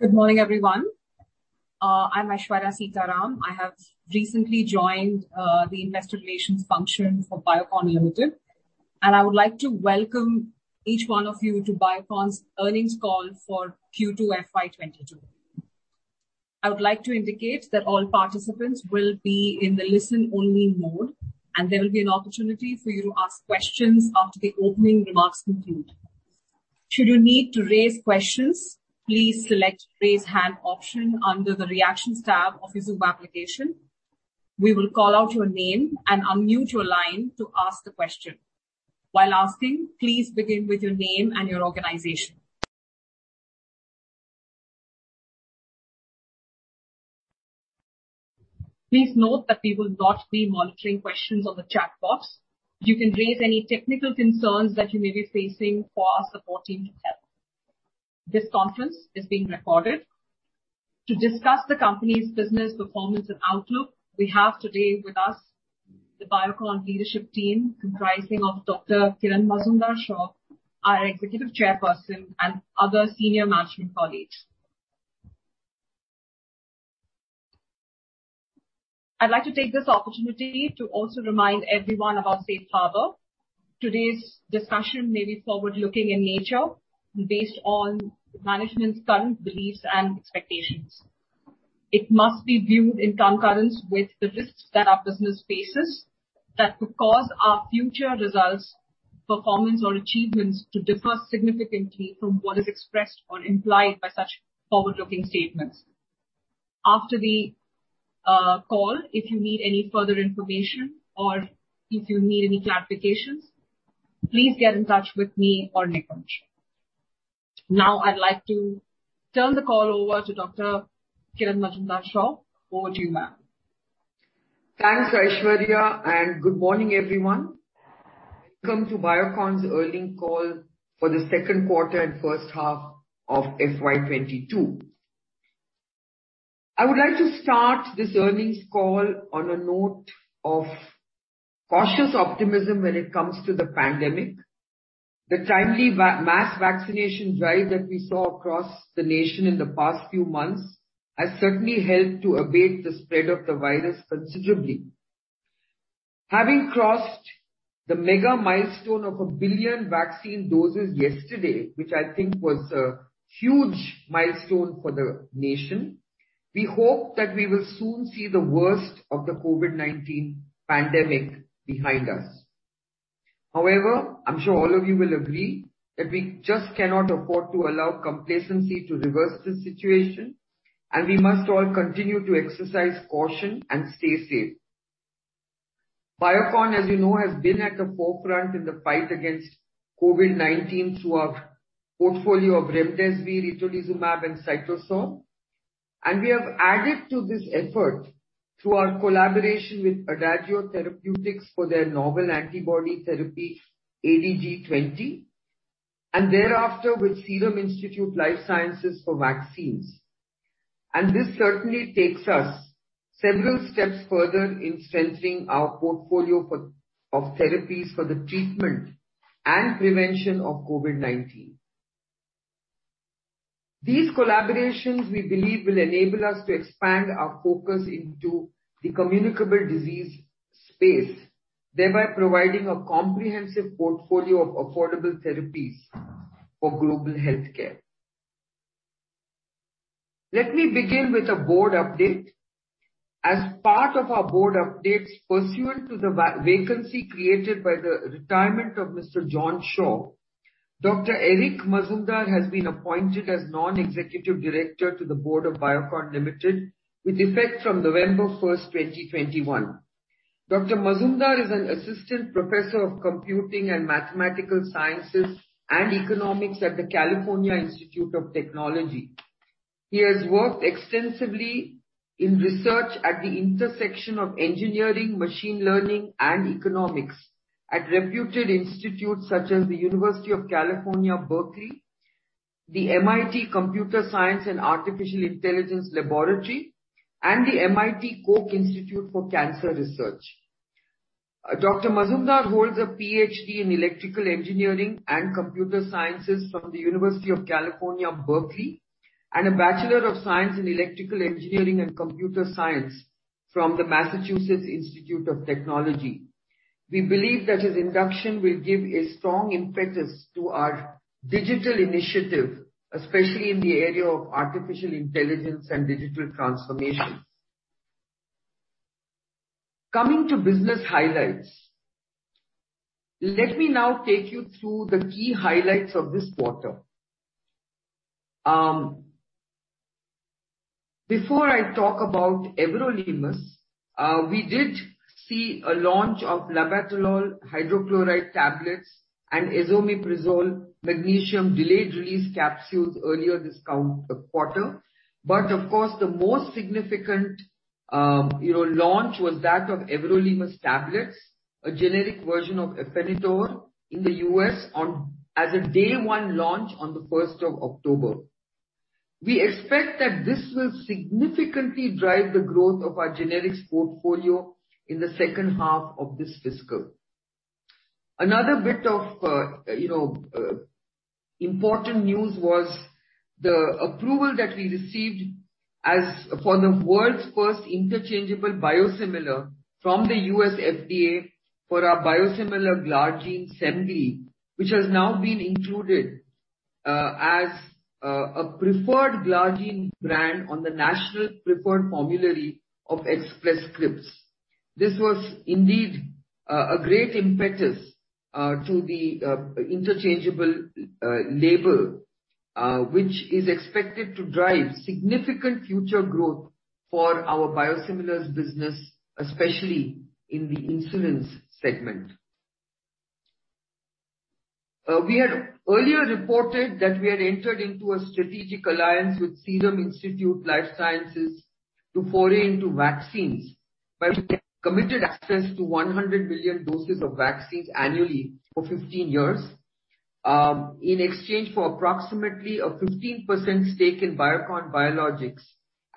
Good morning, everyone. I'm Aishwarya Sitharam. I have recently joined the investor relations function for Biocon Limited, and I would like to welcome each one of you to Biocon's earnings call for Q2 FY22. I would like to indicate that all participants will be in the listen-only mode, and there will be an opportunity for you to ask questions after the opening remarks conclude. Should you need to raise questions, please select Raise Hand option under the Reactions tab of your Zoom application. We will call out your name and unmute your line to ask the question. While asking, please begin with your name and your organization. Please note that we will not be monitoring questions on the chat box. You can raise any technical concerns that you may be facing for our support team to help. This conference is being recorded. To discuss the company's business performance and outlook, we have today with us the Biocon leadership team, comprising of Dr. Kiran Mazumdar-Shaw, our Executive Chairperson, and other senior management colleagues. I'd like to take this opportunity to also remind everyone about Safe Harbor. Today's discussion may be forward-looking in nature and based on management's current beliefs and expectations. It must be viewed in concurrence with the risks that our business faces that could cause our future results, performance or achievements to differ significantly from what is expressed or implied by such forward-looking statements. After the call, if you need any further information or if you need any clarifications, please get in touch with me or Nikunj. I'd like to turn the call over to Dr. Kiran Mazumdar-Shaw. Over to you, ma'am. Thanks, Aishwarya. Good morning, everyone. Welcome to Biocon's earnings call for the second quarter and first half of FY 2022. I would like to start this earnings call on a note of cautious optimism when it comes to the pandemic. The timely mass vaccination drive that we saw across the nation in the past few months has certainly helped to abate the spread of the virus considerably. Having crossed the mega milestone of 1 billion vaccine doses yesterday, which I think was a huge milestone for the nation, we hope that we will soon see the worst of the COVID-19 pandemic behind us. However, I'm sure all of you will agree that we just cannot afford to allow complacency to reverse this situation, and we must all continue to exercise caution and stay safe. Biocon, as you know, has been at the forefront in the fight against COVID-19 through our portfolio of remdesivir, rituximab, and itolizumab. We have added to this effort through our collaboration with Adagio Therapeutics for their novel antibody therapy, ADG20, and thereafter with Serum Institute Life Sciences for vaccines. This certainly takes us several steps further in strengthening our portfolio of therapies for the treatment and prevention of COVID-19. These collaborations, we believe, will enable us to expand our focus into the communicable disease space, thereby providing a comprehensive portfolio of affordable therapies for global healthcare. Let me begin with a board update. As part of our board updates, pursuant to the vacancy created by the retirement of Mr. John Shaw, Dr. Eric Mazumdar has been appointed as Non-Executive Director to the board of Biocon Limited with effect from November first, 2021. Dr. Mazumdar is an assistant professor of computing and mathematical sciences and economics at the California Institute of Technology. He has worked extensively in research at the intersection of engineering, machine learning, and economics at reputed institutes such as the University of California, Berkeley, the MIT Computer Science and Artificial Intelligence Laboratory, and the MIT Koch Institute for Integrative Cancer Research. Dr. Mazumdar holds a PhD in Electrical Engineering and Computer Sciences from the University of California, Berkeley, and a Bachelor of Science in Electrical Engineering and Computer Science from the Massachusetts Institute of Technology. We believe that his induction will give a strong impetus to our digital initiative, especially in the area of artificial intelligence and digital transformations. Coming to business highlights. Let me now take you through the key highlights of this quarter. Before I talk about everolimus, we did see a launch of labetalol hydrochloride tablets and esomeprazole magnesium delayed release capsules earlier this quarter. Of course, the most significant launch was that of everolimus tablets, a generic version of Afinitor in the U.S. as a day one launch on the 1st of October. We expect that this will significantly drive the growth of our generics portfolio in the second half of this fiscal. Another bit of important news was the approval that we received as for the world's first interchangeable biosimilar from the U.S. FDA for our biosimilar glargine, which has now been included as a preferred glargine brand on the national preferred formulary of Express Scripts. This was indeed a great impetus to the interchangeable label, which is expected to drive significant future growth for our biosimilars business, especially in the insulins segment. We had earlier reported that we had entered into a strategic alliance with Serum Institute Life Sciences to foray into vaccines, by which we get committed access to 100 million doses of vaccines annually for 15 years, in exchange for approximately a 15% stake in Biocon Biologics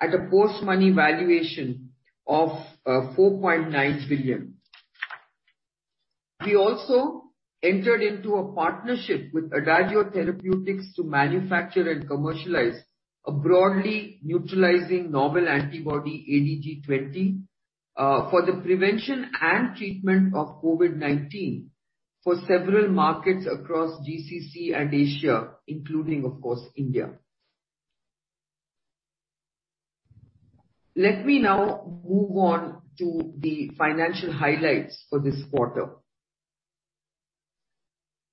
at a post-money valuation of 4.9 billion. We also entered into a partnership with Adagio Therapeutics to manufacture and commercialize a broadly neutralizing novel antibody, ADG20, for the prevention and treatment of COVID-19 for several markets across GCC and Asia, including, of course, India. Let me now move on to the financial highlights for this quarter.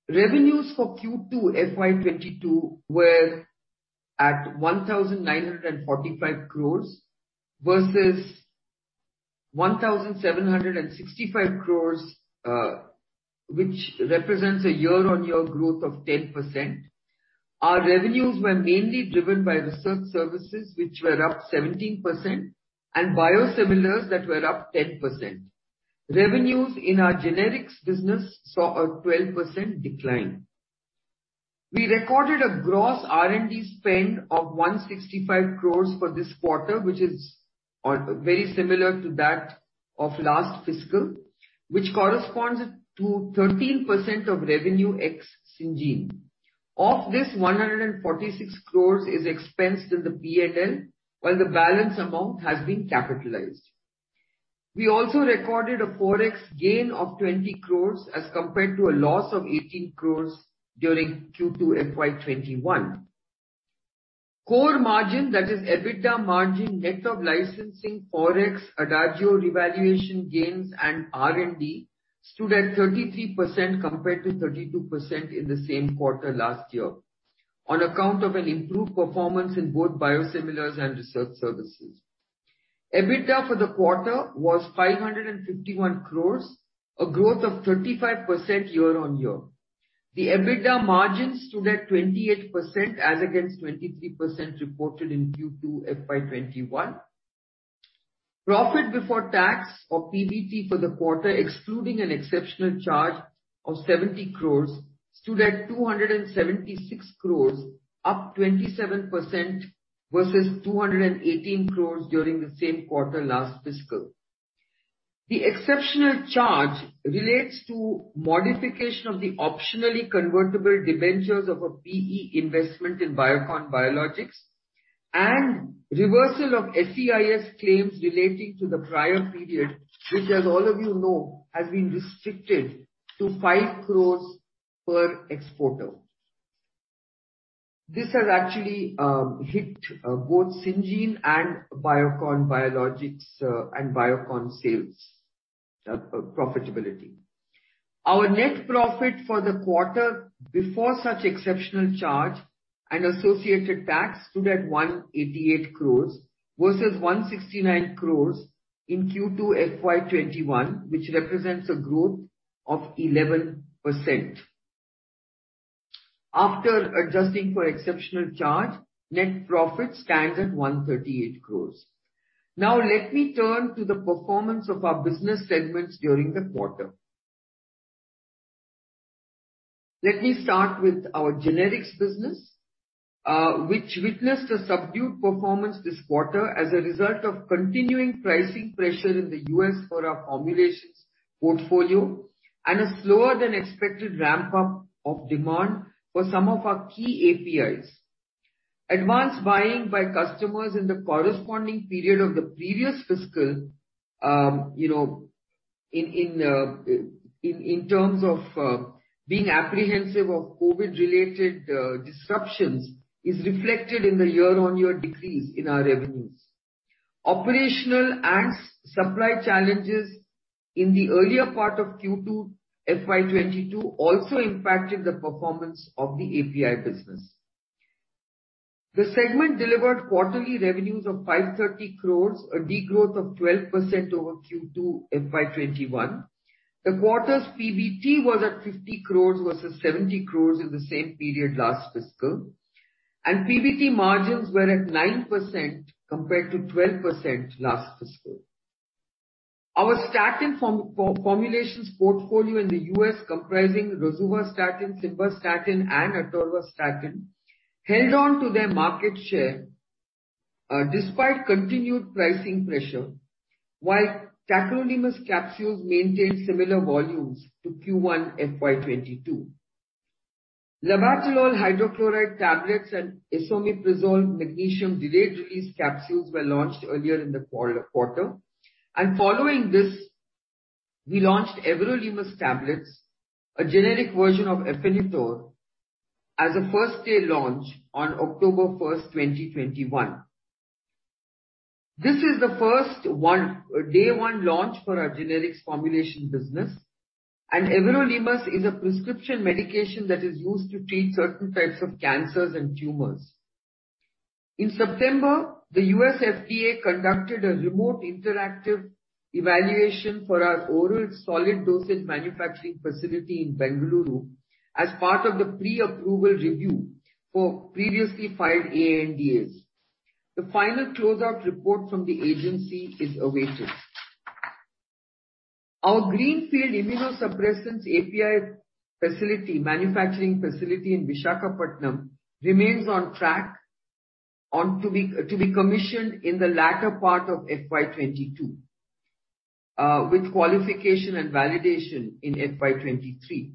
Revenues for Q2 FY 2022 were at 1,945 crore versus 1,765 crore, which represents a year-on-year growth of 10%. Our revenues were mainly driven by research services, which were up 17%, and biosimilars that were up 10%. Revenues in our generics business saw a 12% decline. We recorded a gross R&D spend of 165 crore for this quarter, which is very similar to that of last fiscal, which corresponds to 13% of revenue ex-Syngene. Of this, 146 crore is expensed in the P&L, while the balance amount has been capitalized. We also recorded a forex gain of 20 crore as compared to a loss of 18 crore during Q2 FY 2021. Core margin, that is EBITDA margin, net of licensing, forex, Adagio revaluation gains, and R&D, stood at 33% compared to 32% in the same quarter last year on account of an improved performance in both biosimilars and research services. EBITDA for the quarter was 551 crore, a growth of 35% year-on-year. The EBITDA margin stood at 28%, as against 23% reported in Q2 FY 2021. Profit before tax, or PBT, for the quarter, excluding an exceptional charge of 70 crore, stood at 276 crore, up 27% versus 218 crore during the same quarter last fiscal. The exceptional charge relates to modification of the optionally convertible debentures of a PE investment in Biocon Biologics and reversal of SEIS claims relating to the prior period, which, as all of you know, has been restricted to 5 crore per exporter. This has actually hit both Syngene and Biocon Biologics and Biocon sales profitability. Our net profit for the quarter, before such exceptional charge and associated tax, stood at 188 crore versus 169 crore in Q2 FY 2021, which represents a growth of 11%. After adjusting for exceptional charge, net profit stands at 138 crore. Now, let me turn to the performance of our business segments during the quarter. Let me start with our generics business, which witnessed a subdued performance this quarter as a result of continuing pricing pressure in the U.S. for our formulations portfolio and a slower-than-expected ramp-up of demand for some of our key APIs. Advanced buying by customers in the corresponding period of the previous fiscal, in terms of being apprehensive of COVID-19-related disruptions, is reflected in the year-on-year decrease in our revenues. Operational and supply challenges in the earlier part of Q2 FY 2022 also impacted the performance of the API business. The segment delivered quarterly revenues of 530 crore, a decline of 12% over Q2 FY 2021. The quarter's PBT was at 50 crore versus 70 crore in the same period last fiscal, and PBT margins were at 9% compared to 12% last fiscal. Our statin formulations portfolio in the U.S., comprising rosuvastatin, simvastatin, and atorvastatin, held on to their market share. Despite continued pricing pressure, while tacrolimus capsules maintained similar volumes to Q1 FY 2022. Labetalol hydrochloride tablets and esomeprazole magnesium delayed release capsules were launched earlier in the quarter. Following this, we launched everolimus tablets, a generic version of Afinitor, as a first-day launch on October 1st, 2021. This is the first day one launch for our generics formulation business. Everolimus is a prescription medication that is used to treat certain types of cancers and tumors. In September, the U.S. FDA conducted a remote interactive evaluation for our oral solid dosage manufacturing facility in Bengaluru as part of the pre-approval review for previously filed ANDAs. The final close-out report from the agency is awaited. Our greenfield immunosuppressants API manufacturing facility in Visakhapatnam remains on track to be commissioned in the latter part of FY 2022, with qualification and validation in FY 2023.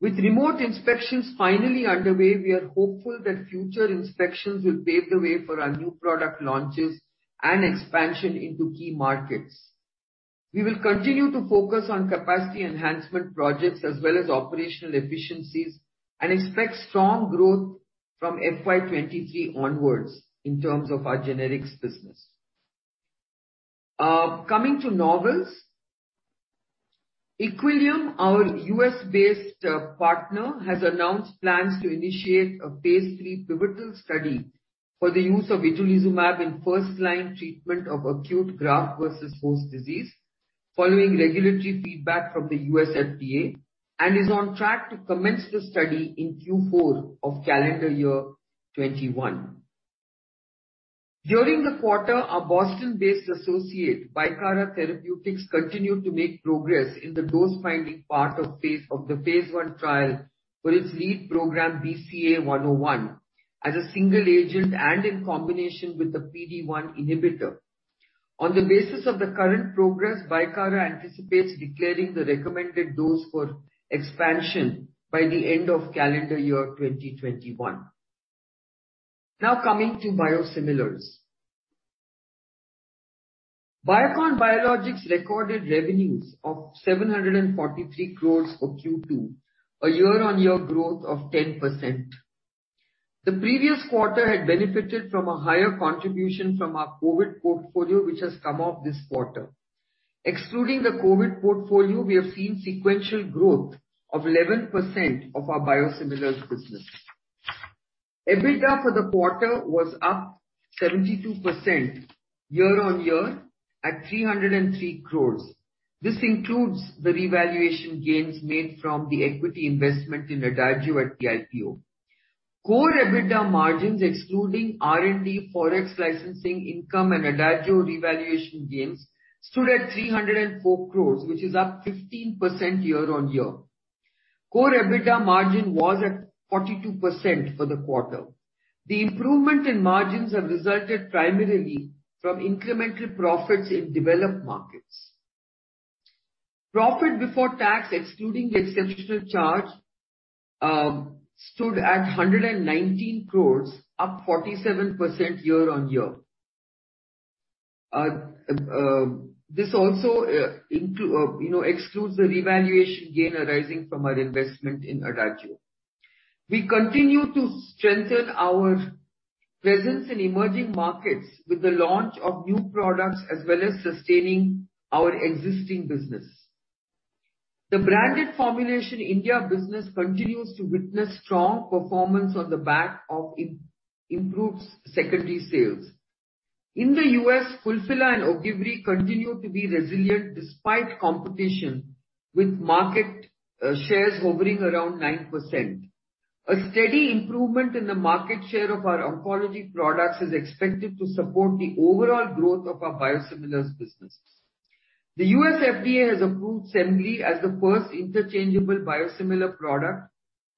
With remote inspections finally underway, we are hopeful that future inspections will pave the way for our new product launches and expansion into key markets. We will continue to focus on capacity enhancement projects as well as operational efficiencies and expect strong growth from FY 2023 onwards in terms of our generics business. Coming to novels. Equillium, our U.S.-based partner, has announced plans to initiate a phase III pivotal study for the use of Itolizumab in first-line treatment of acute graft versus host disease, following regulatory feedback from the U.S. FDA, and is on track to commence the study in Q4 of calendar year 2021. During the quarter, our Boston-based associate, Bicara Therapeutics, continued to make progress in the dose-finding part of the phase I trial for its lead program, BCA101, as a single agent and in combination with a PD1 inhibitor. On the basis of the current progress, Bicara anticipates declaring the recommended dose for expansion by the end of calendar year 2021. Coming to biosimilars. Biocon Biologics recorded revenues of 743 crore for Q2, a year-on-year growth of 10%. The previous quarter had benefited from a higher contribution from our COVID portfolio, which has come off this quarter. Excluding the COVID portfolio, we have seen sequential growth of 11% of our biosimilars business. EBITDA for the quarter was up 72% year-on-year at 303 crore. This includes the revaluation gains made from the equity investment in Adagio at the IPO. Core EBITDA margins excluding R&D, forex licensing income, and Adagio revaluation gains stood at 304 crore, which is up 15% year-on-year. Core EBITDA margin was at 42% for the quarter. The improvement in margins have resulted primarily from incremental profits in developed markets. Profit before tax, excluding the exceptional charge, stood at 119 crore, up 47% year-on-year. This also excludes the revaluation gain arising from our investment in Adagio. We continue to strengthen our presence in emerging markets with the launch of new products as well as sustaining our existing business. The branded formulation India business continues to witness strong performance on the back of improved secondary sales. In the U.S., Fulphila and Ogivri continue to be resilient despite competition with market shares hovering around 9%. A steady improvement in the market share of our oncology products is expected to support the overall growth of our biosimilars business. The U.S. FDA has approved as the first interchangeable biosimilar product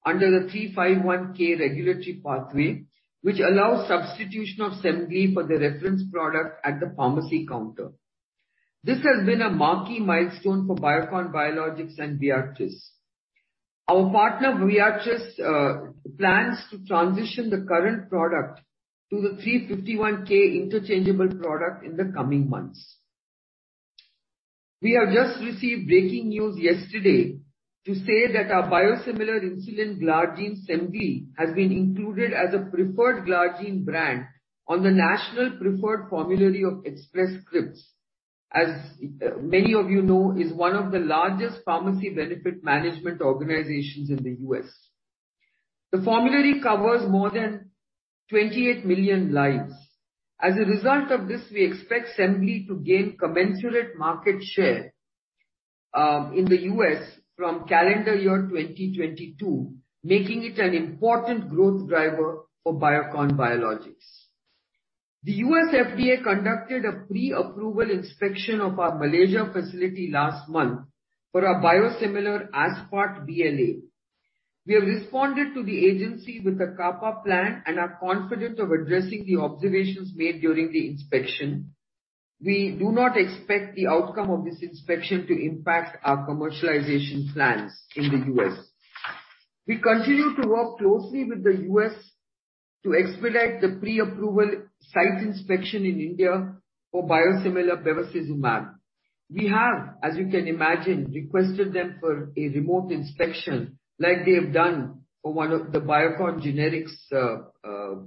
under the 351 regulatory pathway, which allows substitution of for the reference product at the pharmacy counter. This has been a marquee milestone for Biocon Biologics and Viatris. Our partner, Viatris, plans to transition the current product to the 351 interchangeable product in the coming months. We have just received breaking news yesterday to say that our biosimilar insulin glargine,, has been included as a preferred glargine brand on the national preferred formulary of Express Scripts, as many of you know, is one of the largest pharmacy benefit management organizations in the U.S. The formulary covers more than 28 million lives. As a result of this, we expect to gain commensurate market share in the U.S. from calendar year 2022, making it an important growth driver for Biocon Biologics. The U.S. FDA conducted a pre-approval inspection of our Malaysia facility last month for our biosimilar aspart BLA. We have responded to the agency with a CAPA plan and are confident of addressing the observations made during the inspection. We do not expect the outcome of this inspection to impact our commercialization plans in the U.S. We continue to work closely with the U.S. to expedite the pre-approval site inspection in India for biosimilar bevacizumab. We have, as you can imagine, requested them for a remote inspection like they have done for one of the Biocon Generics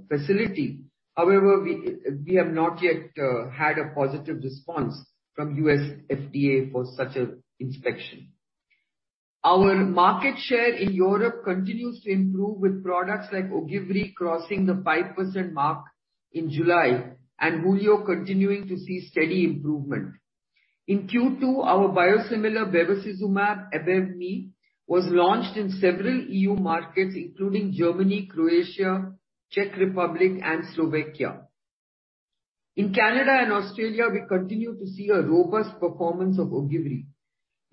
facility. However, we have not yet had a positive response from U.S. FDA for such an inspection. Our market share in Europe continues to improve with products like Ogivri crossing the 5% mark in July, and Hulio continuing to see steady improvement. In Q2, our biosimilar bevacizumab, Abevmy, was launched in several EU markets, including Germany, Croatia, Czech Republic, and Slovakia. In Canada and Australia, we continue to see a robust performance of Ogivri.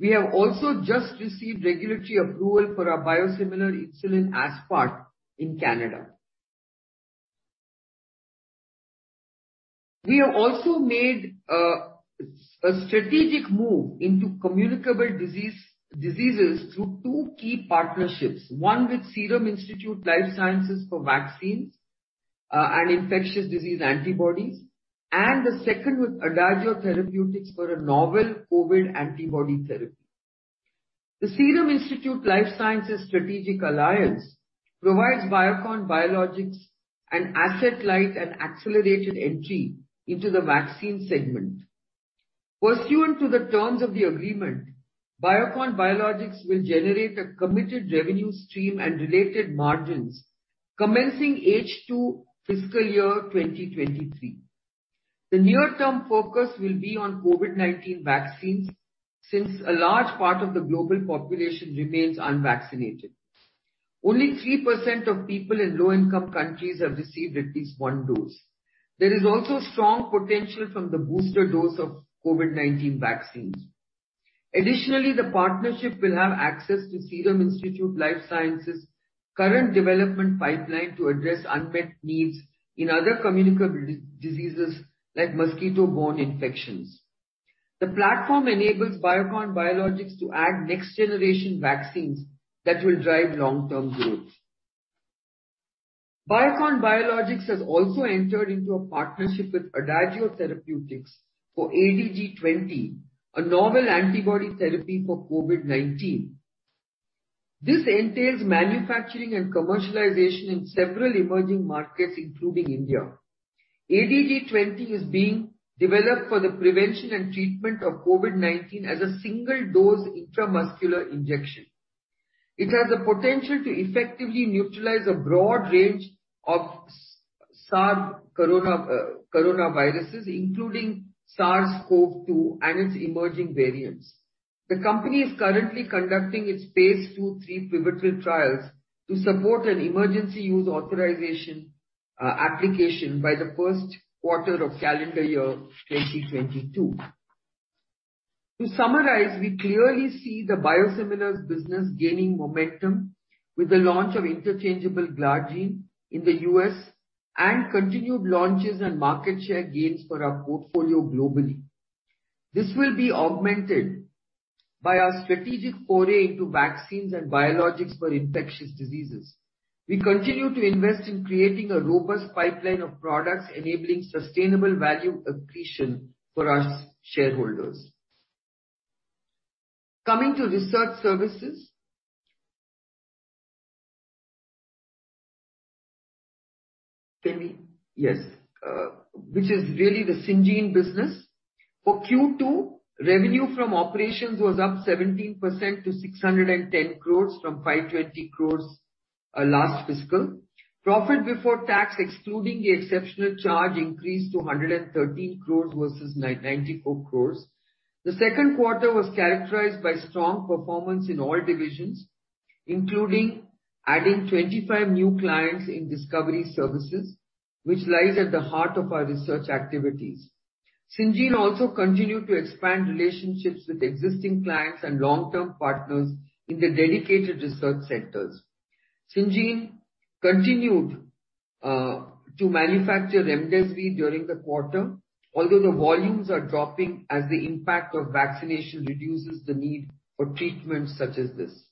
We have also just received regulatory approval for our biosimilar insulin Aspart in Canada. We have also made a strategic move into communicable diseases through two key partnerships, one with Serum Institute Life Sciences for vaccines and infectious disease antibodies, and the second with Adagio Therapeutics for a novel COVID-19 antibody therapy. The Serum Institute Life Sciences strategic alliance provides Biocon Biologics an asset-light and accelerated entry into the vaccine segment. Pursuant to the terms of the agreement, Biocon Biologics will generate a committed revenue stream and related margins commencing H2 fiscal year 2023. The near-term focus will be on COVID-19 vaccines since a large part of the global population remains unvaccinated. Only 3% of people in low-income countries have received at least one dose. There is also strong potential from the booster dose of COVID-19 vaccines. Additionally, the partnership will have access to Serum Institute Life Sciences' current development pipeline to address unmet needs in other communicable diseases, like mosquito-borne infections. The platform enables Biocon Biologics to add next-generation vaccines that will drive long-term growth. Biocon Biologics has also entered into a partnership with Adagio Therapeutics for ADG20, a novel antibody therapy for COVID-19. This entails manufacturing and commercialization in several emerging markets, including India. ADG20 is being developed for the prevention and treatment of COVID-19 as a single-dose intramuscular injection. It has the potential to effectively neutralize a broad range of coronavirus, including SARS-CoV-2 and its emerging variants. The company is currently conducting its phase II-III pivotal trials to support an emergency use authorization application by the first quarter of calendar year 2022. To summarize, we clearly see the biosimilars business gaining momentum with the launch of interchangeable glargine in the U.S. and continued launches and market share gains for our portfolio globally. This will be augmented by our strategic foray into vaccines and biologics for infectious diseases. We continue to invest in creating a robust pipeline of products enabling sustainable value accretion for our shareholders. Coming to research services. Which is really the Syngene business. For Q2, revenue from operations was up 17% to 610 crore from 520 crore last fiscal. Profit before tax, excluding the exceptional charge, increased to 113 crore versus 94 crore. The second quarter was characterized by strong performance in all divisions, including adding 25 new clients in discovery services, which lies at the heart of our research activities. Syngene also continued to expand relationships with existing clients and long-term partners in the dedicated research centers. Syngene continued to manufacture Remdesivir during the quarter, although the volumes are dropping as the impact of vaccination reduces the need for treatments such as this.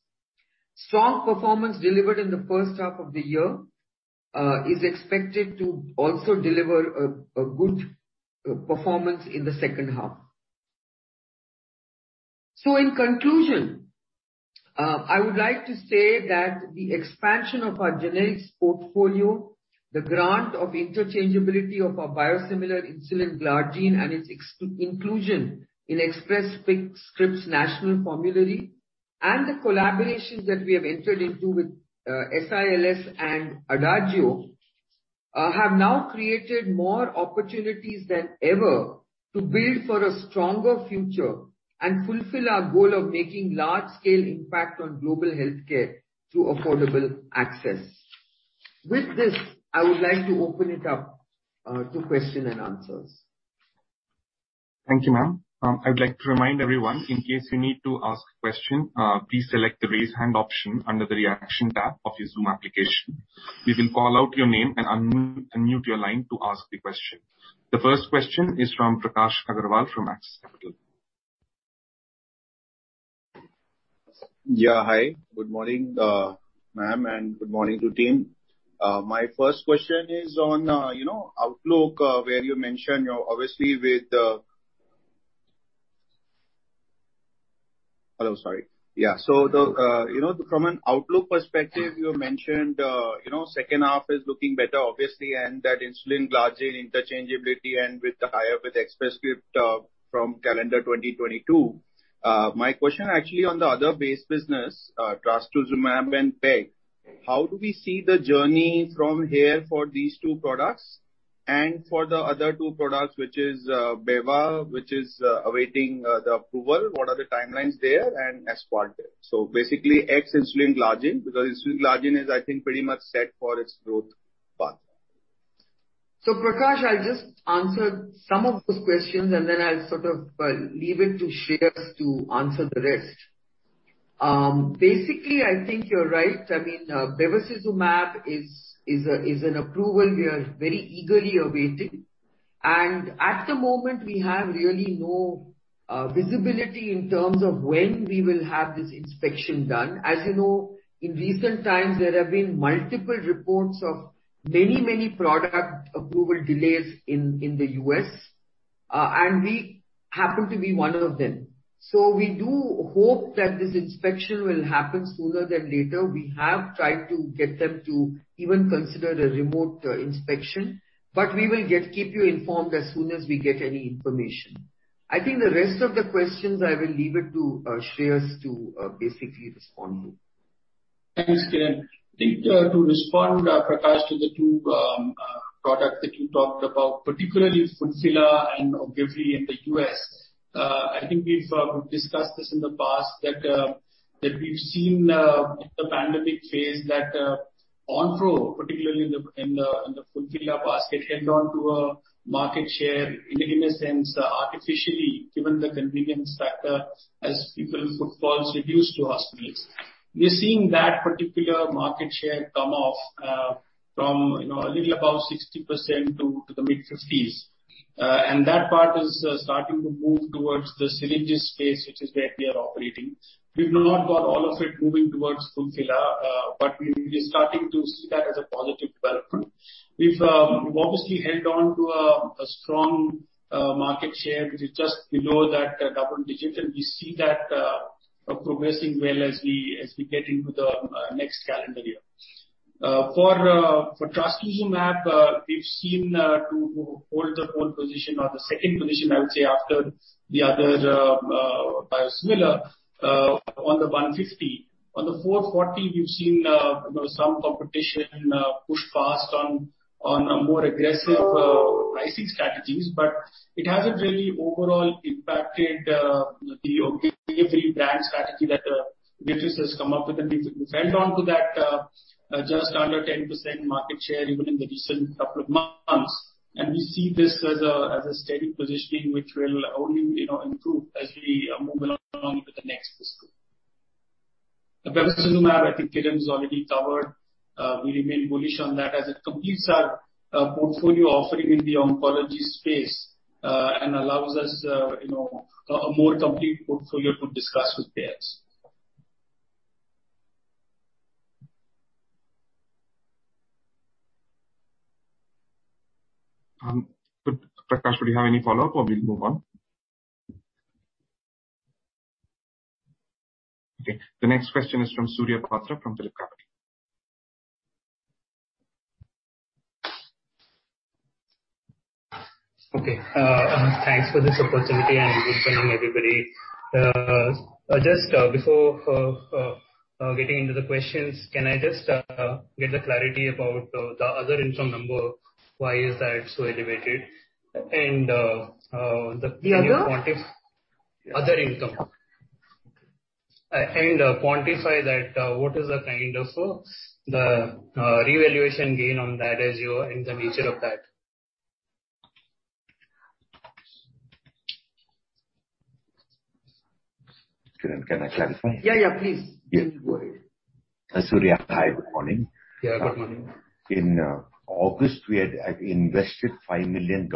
Strong performance delivered in the first half of the year is expected to also deliver a good performance in the second half. In conclusion, I would like to say that the expansion of our generics portfolio, the grant of interchangeability of our biosimilar insulin glargine and its inclusion in Express Scripts National Formulary, and the collaborations that we have entered into with SILS and Adagio have now created more opportunities than ever to build for a stronger future and fulfill our goal of making large-scale impact on global healthcare through affordable access. With this, I would like to open it up to Q&A. Thank you, ma'am. I'd like to remind everyone, in case you need to ask a question, please select the Raise Hand option under the Reaction tab of your Zoom application. We will call out your name and unmute your line to ask the question. The first question is from Prakash Agarwal from Axis Capital. Hi. Good morning, ma'am, and good morning to team. My first question is on outlook, where you mentioned, obviously. From an outlook perspective, you mentioned, second half is looking better, obviously, and that insulin glargine interchangeability and with the hire with Express Scripts from calendar 2022. My question actually on the other base business, trastuzumab and PEG. How do we see the journey from here for these two products and for the other two products, which is bevacizumab, which is awaiting the approval, what are the timelines there, and insulin Aspart? Basically, ex-insulin glargine, because insulin glargine is, I think, pretty much set for its growth path. Prakash, I'll just answer some of those questions, and then I'll sort of leave it to Shreehas to answer the rest. I think you're right. Bevacizumab is an approval we are very eagerly awaiting. At the moment, we have really no visibility in terms of when we will have this inspection done. As you know, in recent times, there have been multiple reports of many product approval delays in the U.S., and we happen to be one of them. We do hope that this inspection will happen sooner than later. We have tried to get them to even consider a remote inspection. We will keep you informed as soon as we get any information. I think the rest of the questions I will leave it to Shreehas to basically respond to. Thanks, Kiran. I think to respond, Prakash, to the two products that you talked about, particularly Fulphila and Ogivri in the U.S. I think we've discussed this in the past, that we've seen the pandemic phase that Onpro, particularly in the Fulphila basket, held on to a market share in a sense, artificially, given the convenience factor as people footfalls reduced to hospitals. We're seeing that particular market share come off from a little above 60% to the mid-50s. That part is starting to move towards the syringes space, which is where we are operating. We've not got all of it moving towards Fulphila, but we're starting to see that as a positive development. We've obviously held on to a strong market share, which is just below that double-digit, and we see that progressing well as we get into the next calendar year. For trastuzumab, we've seen to hold the pole position or the second position, I would say, after the other biosimilar on the 150. On the 440, we've seen some competition push past on more aggressive pricing strategies. It hasn't really overall impacted the Ogivri brand strategy that Biocon has come up with, and we've held on to that just under 10% market share even in the recent couple of months. We see this as a steady positioning, which will only improve as we move along to the next fiscal. Bevacizumab, I think Kiran has already covered. We remain bullish on that as it completes our portfolio offering in the oncology space, and allows us a more complete portfolio to discuss with payers. Prakash, would you have any follow-up or we can move on? Okay, the next question is from Surya Patra, from PhillipCapital. Okay. Thanks for this opportunity and good morning, everybody. Just before getting into the questions, can I just get the clarity about the other income number, why is that so elevated? The other? Other income. Quantify that, what is the kind of the revaluation gain on that, as you are in the nature of that. Kiran, can I clarify? Yeah. Please. Yeah. Go ahead. Surya, hi. Good morning. Yeah, good morning. In August, we had invested $5 million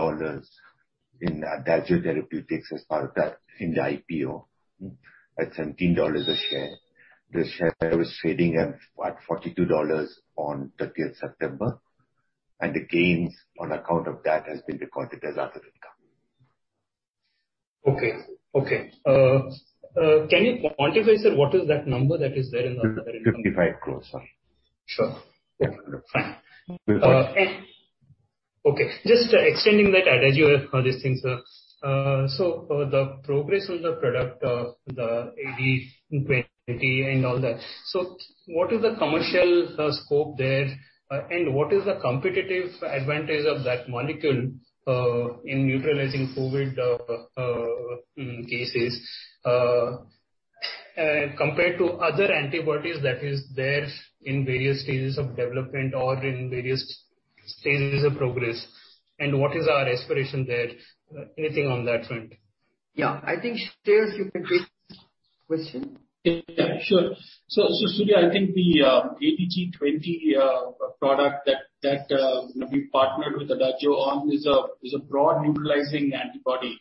in Adagio Therapeutics as part of that in the IPO at $17 a share. The share was trading at $42 on 30th September, and the gains on account of that has been recorded as other income. Okay. Can you quantify, sir, what is that number that is there in the? 55 crore. Sorry. Sure. Yeah. Fine. Okay, just extending that Adagio, these things. The progress on the product, the ADG20 and all that. What is the commercial scope there, and what is the competitive advantage of that molecule in neutralizing COVID cases? Compared to other antibodies that is there in various stages of development or in various stages of progress, and what is our aspiration there, anything on that front? Yeah, I think Shreehas, you can take this question. Sure. Surya, I think the ADG20 product that we partnered with Adagio on is a broad neutralizing antibody.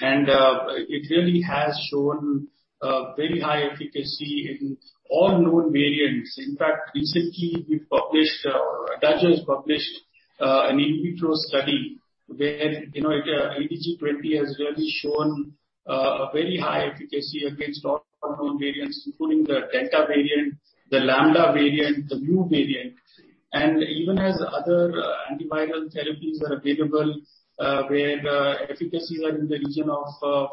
It really has shown a very high efficacy in all known variants. In fact, recently Adagio has published an in vitro study where ADG20 has really shown a very high efficacy against all known variants, including the Delta variant, the Lambda variant, the Mu variant. Even as other antiviral therapies are available, where the efficacy are in the region of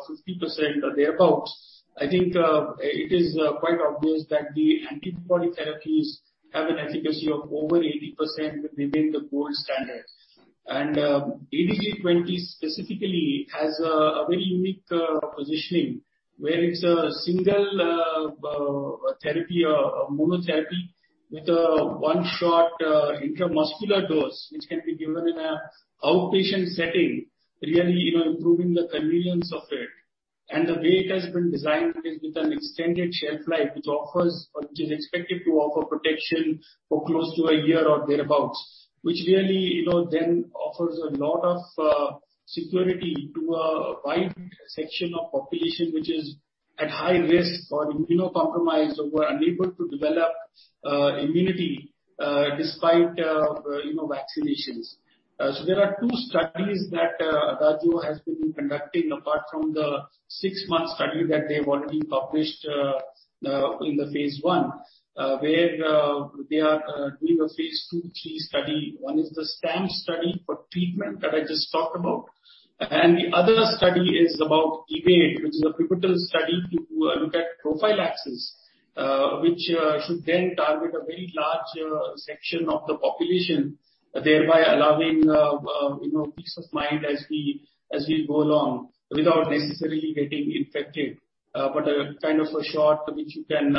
50% or thereabouts, I think it is quite obvious that the antibody therapies have an efficacy of over 80% within the gold standard. ADG20 specifically has a very unique positioning where it's a single therapy or monotherapy with one short intramuscular dose, which can be given in an outpatient setting, really improving the convenience of it. The way it has been designed is with an extended shelf life, which is expected to offer protection for close to one year or thereabouts. Really then offers a lot of security to a wide section of population, which is at high risk or immunocompromised or were unable to develop immunity despite vaccinations. There are two studies that Adagio has been conducting apart from the six-month study that they've already published in the phase I, where they are doing a phase II, III study. One is the STAMP study for treatment that I just talked about. The other study is about EVADE, which is a pivotal study to look at prophylaxis, which should then target a very large section of the population, thereby allowing peace of mind as we go along without necessarily getting infected. A kind of a shot which you can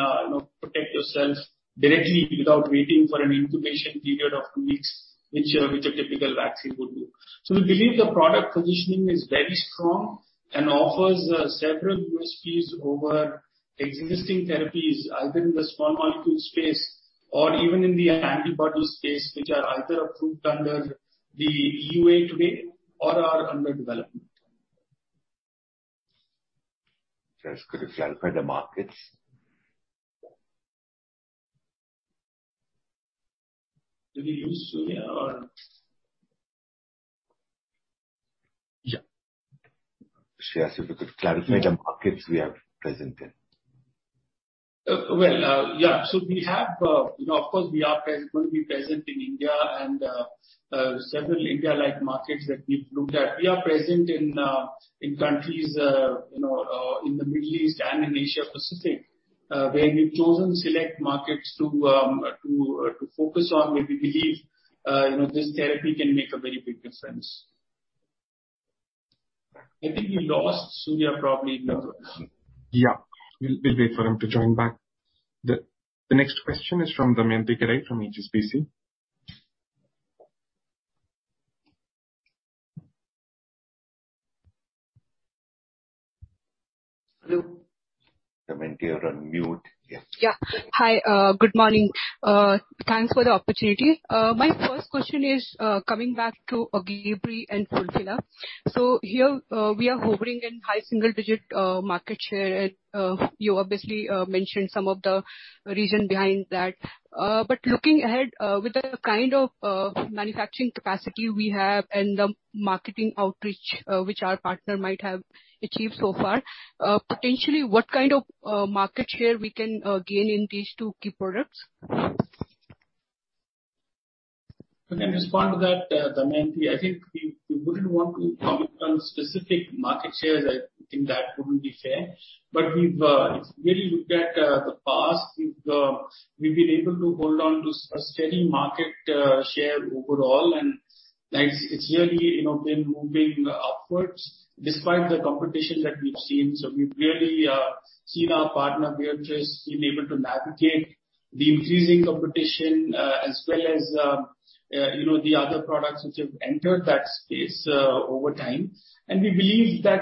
protect yourself directly without waiting for an incubation period of weeks, which a typical vaccine would do. We believe the product positioning is very strong and offers several USPs over existing therapies, either in the small molecule space or even in the antibody space, which are either approved under the EUA today or are under development. Just a clarification for the markets. Did we lose Surya or? Yeah. Shreehas, a bit of clarification on markets we have presented. Well, yeah. Of course, we are going to be present in India and several India-like markets that we've looked at. We are present in countries in the Middle East and in Asia Pacific, where we've chosen select markets to focus on where we believe this therapy can make a very big difference. I think we lost Surya, probably in the process. Yeah. We'll wait for him to join back. The next question is from Damayanti Kerai from HSBC. Hello. Damayanti, you're on mute. Yeah. Hi, good morning. Thanks for the opportunity. My first question is coming back to Ogivri and Fulphila. Here we are hovering in high single-digit market share, and you obviously mentioned some of the reason behind that. Looking ahead, with the kind of manufacturing capacity we have and the marketing outreach which our partner might have achieved so far, potentially what kind of market share we can gain in these two key products? I can respond to that, Damayanti. I think we wouldn't want to comment on specific market shares. I think that wouldn't be fair. We've really looked at the past. We've been able to hold on to a steady market share overall, and it's really been moving upwards despite the competition that we've seen. We've really seen our partner, Viatris, been able to navigate the increasing competition, as well as the other products which have entered that space over time. We believe that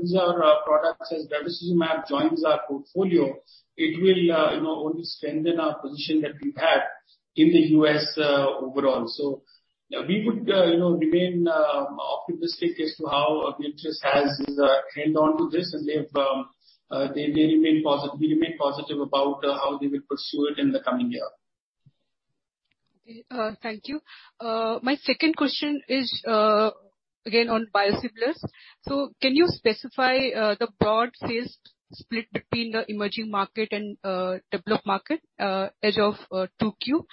these are our products, as Rituximab joins our portfolio, it will only strengthen our position that we have in the U.S. overall. We would remain optimistic as to how Viatris has held on to this and we remain positive about how they will pursue it in the coming year. Okay. Thank you. My second question is again on biosimilars. Can you specify the broad sales split between the emerging market and developed market as of 2Q?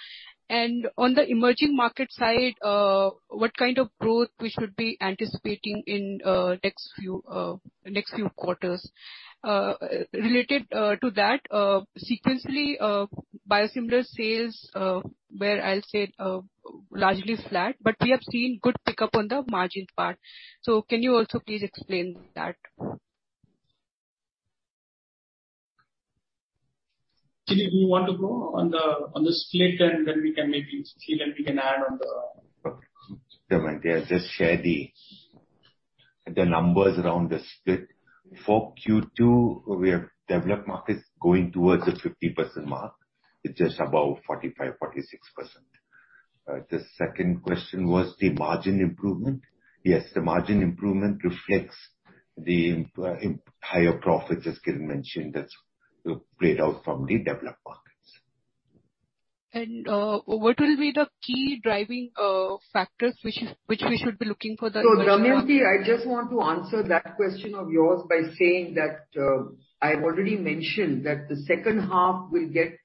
On the emerging market side, what kind of growth we should be anticipating in next few quarters? Related to that, sequentially, biosimilars sales were, I’ll say, largely flat, but we have seen good pickup on the margin part. Can you also please explain that? Siddharth, do you want to go on the split, and then maybe Shreehas can add on. Sure, I'll just share the numbers around the split. For Q2, we have developed markets going towards the 50% mark. It's just above 45%, 46%. The second question was the margin improvement. Yes, the margin improvement reflects the higher profits, as Kiran mentioned, that's played out from the developed markets. What will be the key driving factors which we should be looking for? Damayanti, I just want to answer that question of yours by saying that I've already mentioned that the second half will get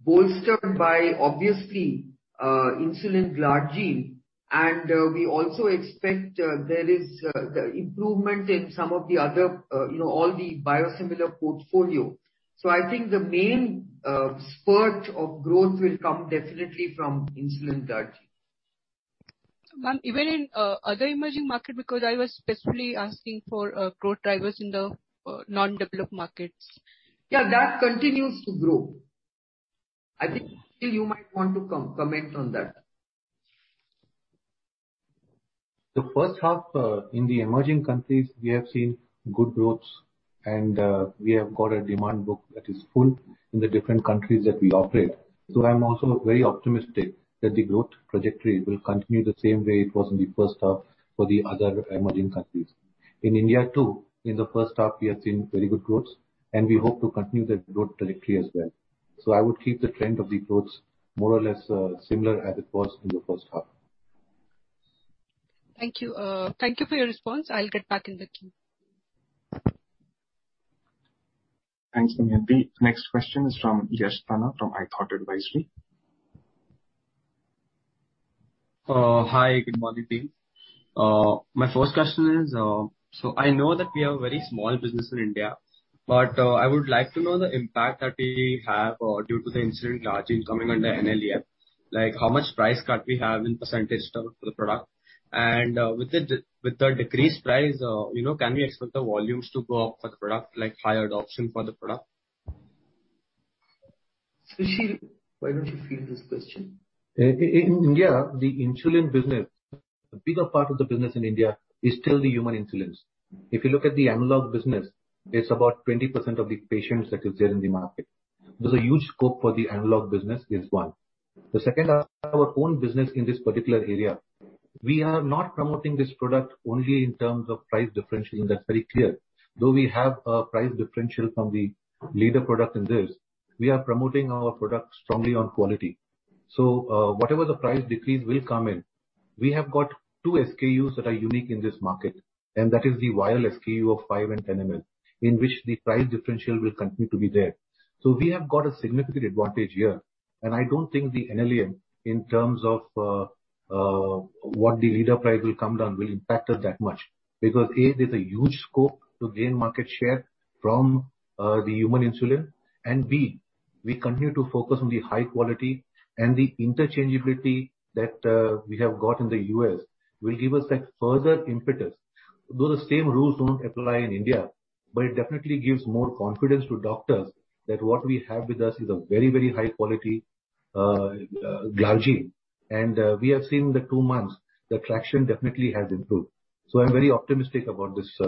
bolstered by, obviously, insulin glargine, and we also expect there is the improvement in some of the other, all the biosimilar portfolio. I think the main spurt of growth will come definitely from insulin glargine. Ma'am, even in other emerging markets, because I was specifically asking for growth drivers in the non-developed markets. Yeah, that continues to grow. I think, Siddharth, you might want to comment on that. The first half in the emerging countries, we have seen good growth and we have got a demand book that is full in the different countries that we operate. I'm also very optimistic that the growth trajectory will continue the same way it was in the first half for the other emerging countries. In India too, in the first half we have seen very good growth, and we hope to continue that growth trajectory as well. I would keep the trend of the growth more or less similar as it was in the first half. Thank you for your response. I'll get back in the queue. Thanks, Damayanti. Next question is from Yash Tanna from iThought Advisory. Hi, good morning to you. My first question is, I know that we have a very small business in India, but I would like to know the impact that we have due to the insulin glargine coming under NLEM. Like how much price cut we have in % for the product, and with the decreased price, can we expect the volumes to go up for the product, like higher adoption for the product? Siddharth, why don't you field this question? In India, the insulin business, the bigger part of the business in India is still the human insulins. If you look at the analog business, it is about 20% of the patients that is there in the market. There is a huge scope for the analog business, is one. The second, our own business in this particular area. We are not promoting this product only in terms of price differential, that is very clear. Though we have a price differential from the leader product in this, we are promoting our product strongly on quality. Whatever the price decrease will come in, we have got two SKUs that are unique in this market, and that is the vial SKU of 5 ml and 10 ml, in which the price differential will continue to be there. We have got a significant advantage here, and I don't think the NLEM, in terms of what the leader price will come down, will impact us that much. A, there's a huge scope to gain market share from the human insulin. B, we continue to focus on the high quality and the interchangeability that we have got in the U.S. will give us that further impetus. Though the same rules don't apply in India, but it definitely gives more confidence to doctors that what we have with us is a very high-quality glargine. We have seen the two months, the traction definitely has improved. I'm very optimistic about this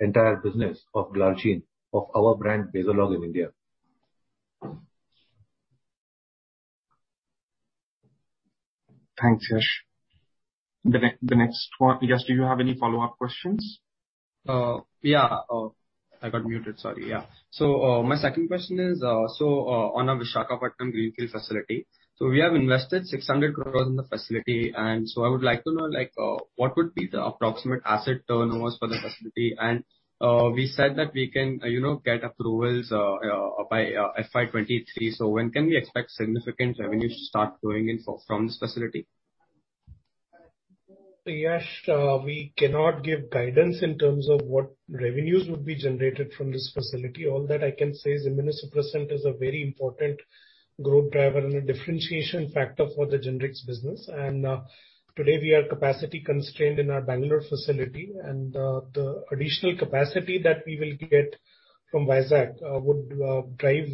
entire business of glargine of our brand Basalog in India. Thanks, Yash. The next one. Yash, do you have any follow-up questions? Yeah. I got muted, sorry. Yeah. My second question is on our Visakhapatnam greenfield facility. We have invested 600 crore in the facility, I would like to know what would be the approximate asset turnovers for the facility. We said that we can get approvals by FY 2023, when can we expect significant revenue to start flowing in from this facility? Yash, we cannot give guidance in terms of what revenues would be generated from this facility. All that I can say is immunosuppressant is a very important growth driver and a differentiation factor for the generics business, and today we are capacity constrained in our Bangalore facility and the additional capacity that we will get from Vizag would drive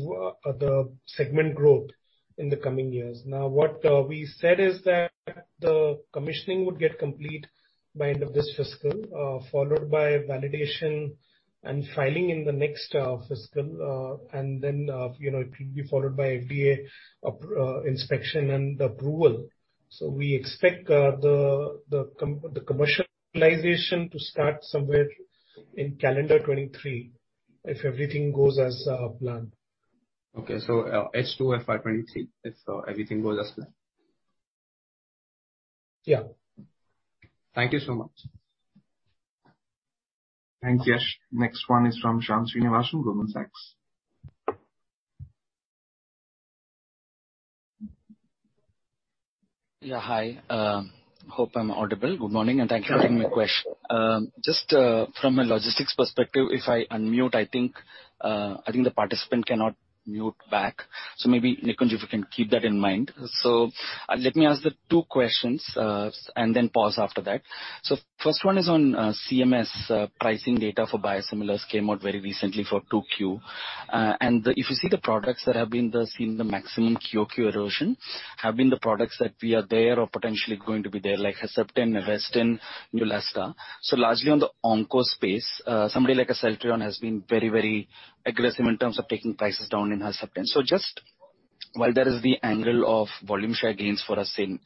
the segment growth in the coming years. Now, what we said is that the commissioning would get complete by end of this fiscal, followed by validation and filing in the next fiscal. Then it will be followed by FDA inspection and approval. We expect the commercialization to start somewhere in calendar 2023, if everything goes as planned. Okay. H2 FY 2023, if everything goes as planned. Yeah. Thank you so much. Thanks, Yash. Next one is from Shyam Srinivasan, Goldman Sachs. Yeah. Hi, hope I'm audible. Good morning, thank you for taking my question. Just from a logistics perspective, if I unmute, I think the participant cannot mute back. Maybe, Nikunj, if you can keep that in mind. Let me ask the two questions, and then pause after that. First one is on CMS pricing data for biosimilars, came out very recently for 2Q. If you see the products that have been seen the maximum QoQ erosion, have been the products that we are there or potentially going to be there, like Herceptin, Avastin, Neulasta. Largely on the Onco space, somebody like Celltrion has been very aggressive in terms of taking prices down in Herceptin. Just while there is the angle of volume share gains for us in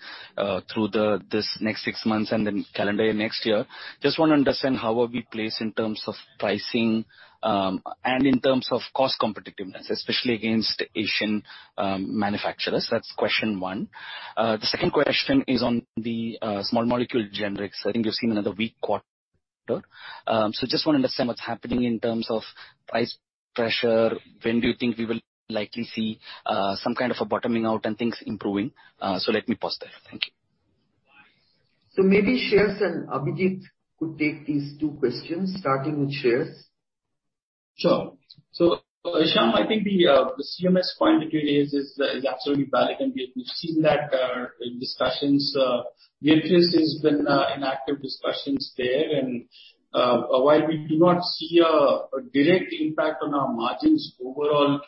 through this next six months and then calendar year next year, just want to understand how are we placed in terms of pricing, and in terms of cost competitiveness, especially against Asian manufacturers. That's question one. The second question is on the small molecule generics. I think you've seen another weak quarter. Just want to understand what's happening in terms of price pressure. When do you think we will likely see some kind of a bottoming out and things improving? Let me pause there. Thank you. Maybe Shreehas and Abhijit could take these two questions, starting with Shreehas. Sure. Shyam, I think the CMS point actually is absolutely valid, and we've seen that our discussions, Biocon has been in active discussions there. While we do not see a direct impact on our margins overall,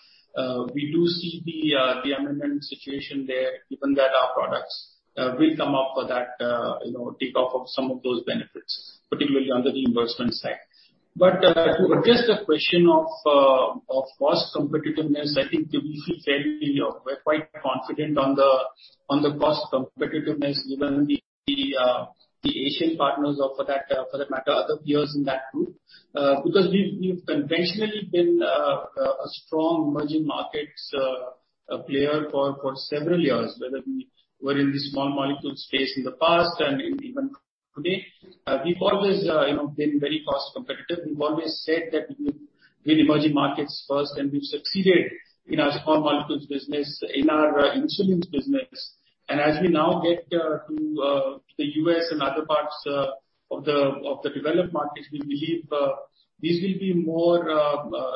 we do see the amendment situation there, given that our products will come up for that, take off of some of those benefits, particularly on the reimbursement side. To address the question of cost competitiveness, I think we feel fairly or we're quite confident on the cost competitiveness, even the Asian partners for that matter, other peers in that group because we've conventionally been a strong emerging markets player for several years, whether we were in the small molecule space in the past and in even today. We've always been very cost competitive. We've always said that we've been emerging markets first, we've succeeded in our small molecules business, in our insulins business. As we now get to the U.S. and other parts of the developed markets, we believe these will be more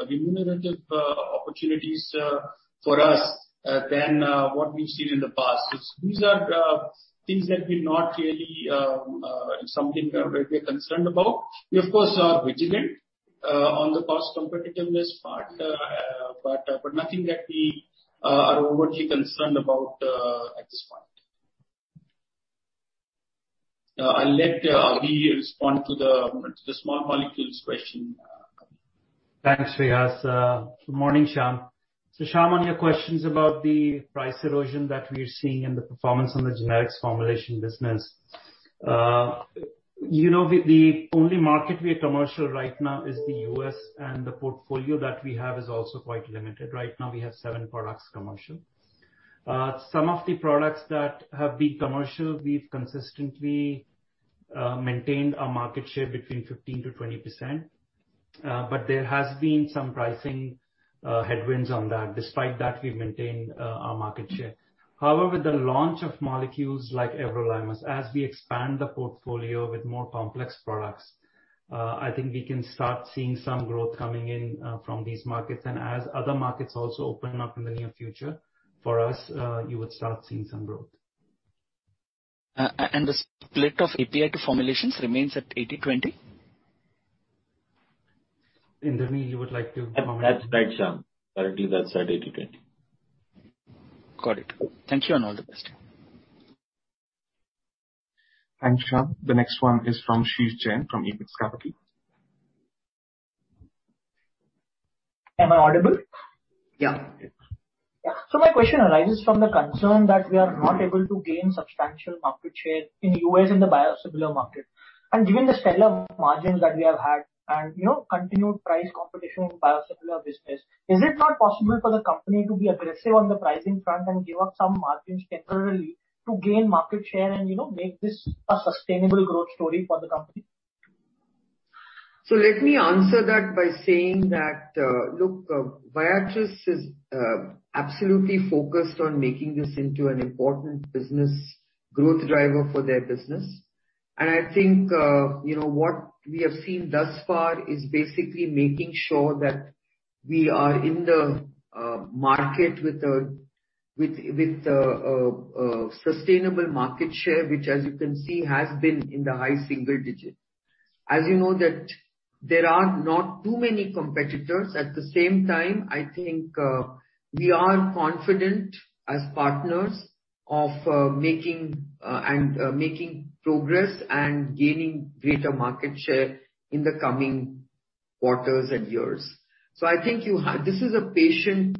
remunerative opportunities for us than what we've seen in the past. These are things that we're not really something where we're concerned about. We of course, are vigilant on the cost competitiveness part but nothing that we are overly concerned about at this point. I'll let Abhi respond to the small molecules question. Thanks, Shreehas. Good morning, Shyam. Shyam, on your questions about the price erosion that we are seeing and the performance on the generics formulation business. The only market we are commercial right now is the U.S., and the portfolio that we have is also quite limited. Right now we have seven products commercial. Some of the products that have been commercial, we've consistently maintained a market share between 15%-20%, but there has been some pricing headwinds on that. Despite that, we've maintained our market share. However, the launch of molecules like everolimus, as we expand the portfolio with more complex products, I think we can start seeing some growth coming in from these markets. As other markets also open up in the near future, for us, you would start seeing some growth. The split of API to formulations remains at 80/20? Abhijit, you would like to comment? That's right, Shyam. Currently that's at 80/20. Got it. Thank you, and all the best. Thanks, Shyam. The next one is from Sheersh Jain, from Apex Capital. Am I audible? Yeah. My question arises from the concern that we are not able to gain substantial market share in the U.S. in the biosimilar market. Given the stellar margins that we have had and continued price competition with biosimilar business, is it not possible for the company to be aggressive on the pricing front and give up some margins temporarily to gain market share and make this a sustainable growth story for the company? Let me answer that by saying that, look, Viatris is absolutely focused on making this into an important business growth driver for their business. I think what we have seen thus far is basically making sure that we are in the market with a sustainable market share, which as you can see, has been in the high single digits. As you know that there are not too many competitors. At the same time, I think we are confident as partners of making progress and gaining greater market share in the coming quarters and years. I think this is a patient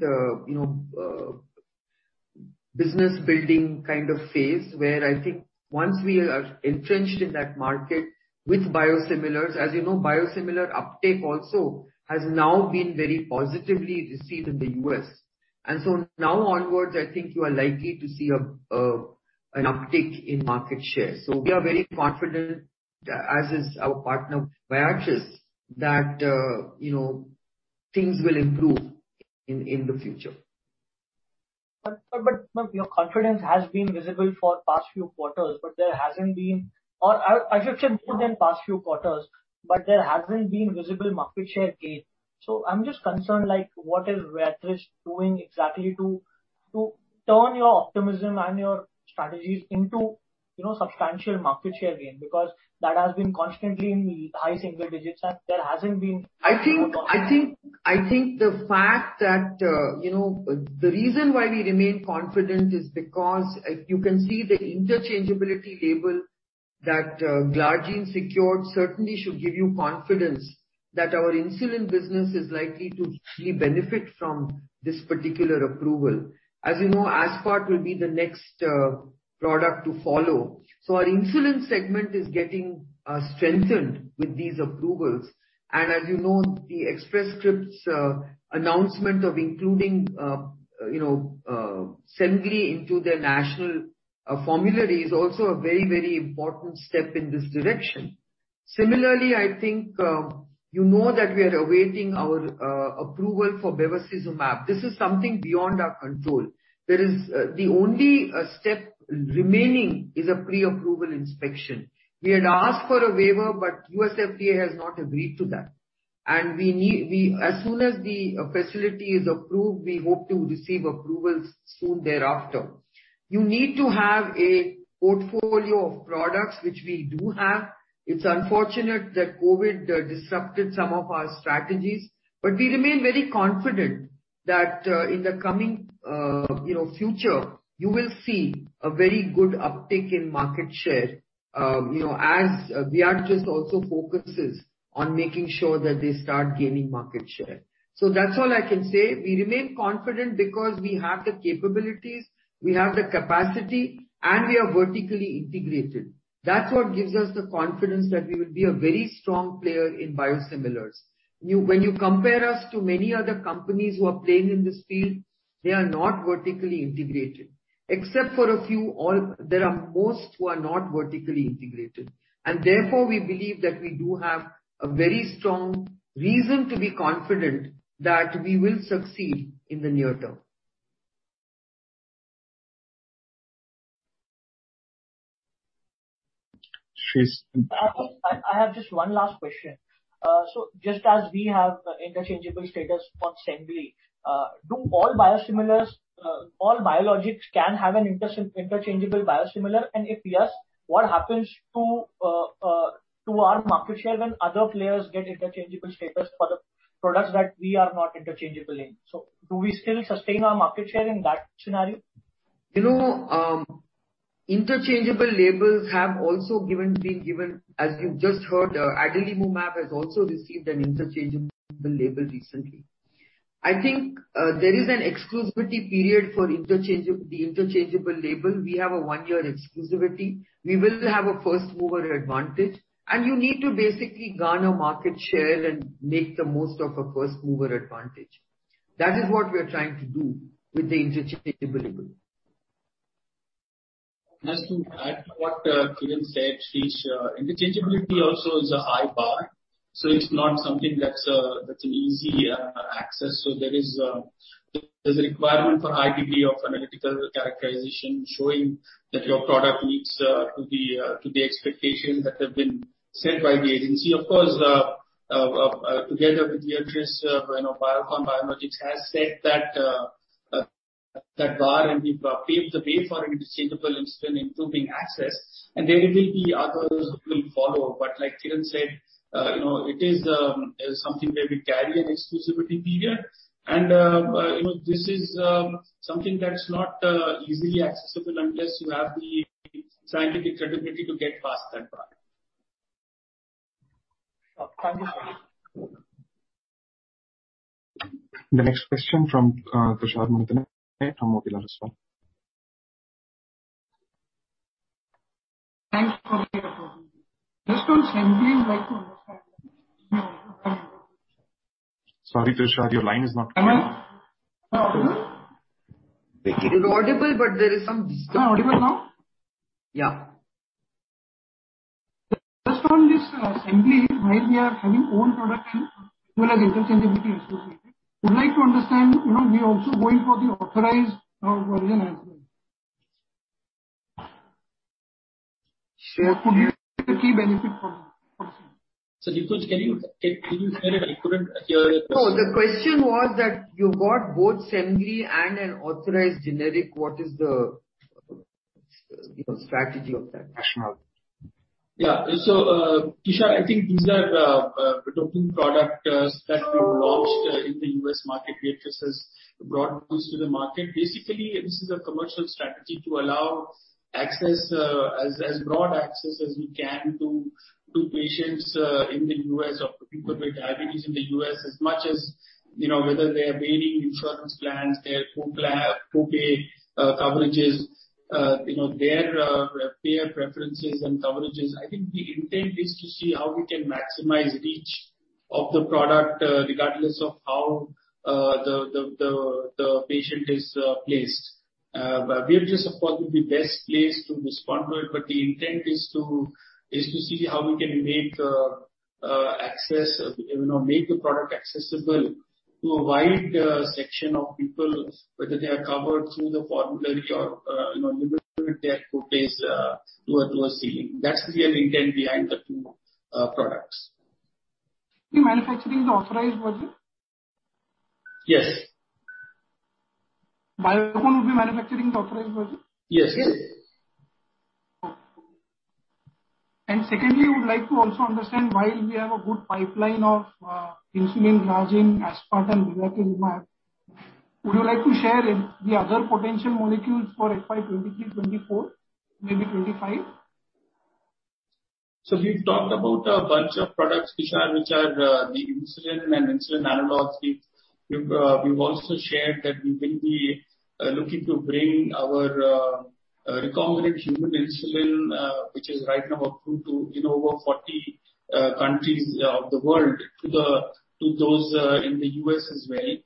business building kind of phase where I think once we are entrenched in that market with biosimilars. As you know, biosimilar uptake also has now been very positively received in the U.S. Now onwards, I think you are likely to see an uptick in market share. We are very confident, as is our partner Viatris, that things will improve in the future. Your confidence has been visible for past few quarters, or I should say more than past few quarters, but there hasn't been visible market share gain. I'm just concerned, what is Viatris doing exactly to turn your optimism and your strategies into substantial market share gain? Because that has been constantly in high single digits, and there hasn't been. I think the fact that the reason why we remain confident is because you can see the interchangeability label that glargine secured certainly should give you confidence that our insulin business is likely to actually benefit from this particular approval. As you know, Aspart will be the next product to follow. Our insulin segment is getting strengthened with these approvals. As you know, the Express Scripts announcement of including into their national formulary is also a very important step in this direction. Similarly, I think you know that we are awaiting our approval for bevacizumab. This is something beyond our control. The only step remaining is a pre-approval inspection. We had asked for a waiver, but U.S. FDA has not agreed to that. As soon as the facility is approved, we hope to receive approvals soon thereafter. You need to have a portfolio of products, which we do have. It's unfortunate that COVID disrupted some of our strategies, but we remain very confident that in the coming future, you will see a very good uptick in market share, as Viatris also focuses on making sure that they start gaining market share. That's all I can say. We remain confident because we have the capabilities, we have the capacity, and we are vertically integrated. That's what gives us the confidence that we will be a very strong player in biosimilars. When you compare us to many other companies who are playing in this field, they are not vertically integrated. Except for a few, there are most who are not vertically integrated. Therefore, we believe that we do have a very strong reason to be confident that we will succeed in the near term. Sheersh I have just one last question. Just as we have interchangeable status for, do all biologics can have an interchangeable biosimilar? If yes, what happens to our market share when other players get interchangeable status for the products that we are not interchangeable in? Do we still sustain our market share in that scenario? Interchangeable labels have also been given, as you've just heard, adalimumab has also received an interchangeable label recently. I think there is an exclusivity period for the interchangeable label. We have a one-year exclusivity. You need to basically garner market share and make the most of a first-mover advantage. That is what we are trying to do with the interchangeable label. Just to add to what Kiran said, Sheersh, interchangeability also is a high bar. It's not something that's an easy access. There's a requirement for IP of analytical characterization showing that your product meets to the expectations that have been set by the agency. Of course, together with Viatris, Biocon Biologics has set that bar, and we've paved the way for an interchangeable insulin including access, and there will be others who will follow. Like Kiran said, it is something where we carry an exclusivity period. This is something that's not easily accessible unless you have the scientific credibility to get past that bar. Okay. The next question from Tushar Manudhane from Motilal Oswal. Thanks for the Sorry, Tushar, your line is not clear. Am I audible? It is audible, but there is some. Am I audible now? Yeah. Just on this assembly, while we are having own production as well as interchangeability exclusivity, would like to understand, we are also going for the authorized version as well. Could you repeat the key benefit for me once again? Tushar, can you say it again? I couldn't hear your question. No, the question was that you got both and an authorized generic. What is the strategy of that, Tushar? Tushar, I think these are adopting product that we launched in the U.S. market. Viatris has brought this to the market. Basically, this is a commercial strategy to allow as broad access as we can to patients in the U.S. or people with diabetes in the U.S., as much as whether they are availing insurance plans, their co-pay coverages, their payer preferences and coverages. I think the intent is to see how we can maximize reach of the product, regardless of how the patient is placed. Viatris, of course, will be best placed to respond to it, but the intent is to see how we can make the product accessible to a wide section of people, whether they are covered through the formulary or limited their footage to a lower ceiling. That's the real intent behind the two products. Manufacturing the authorized version? Yes. Biocon will be manufacturing the authorized version? Yes. Okay. Secondly, we would like to also understand while we have a good pipeline of insulin glargine, Aspart, and bevacizumab, would you like to share the other potential molecules for FY 2023, 2024, maybe 2025? We've talked about a bunch of products, Vishal, which are the insulin and insulin analogs. We've also shared that we will be looking to bring our recombinant human insulin, which is right now approved in over 40 countries of the world, to those in the U.S. as well,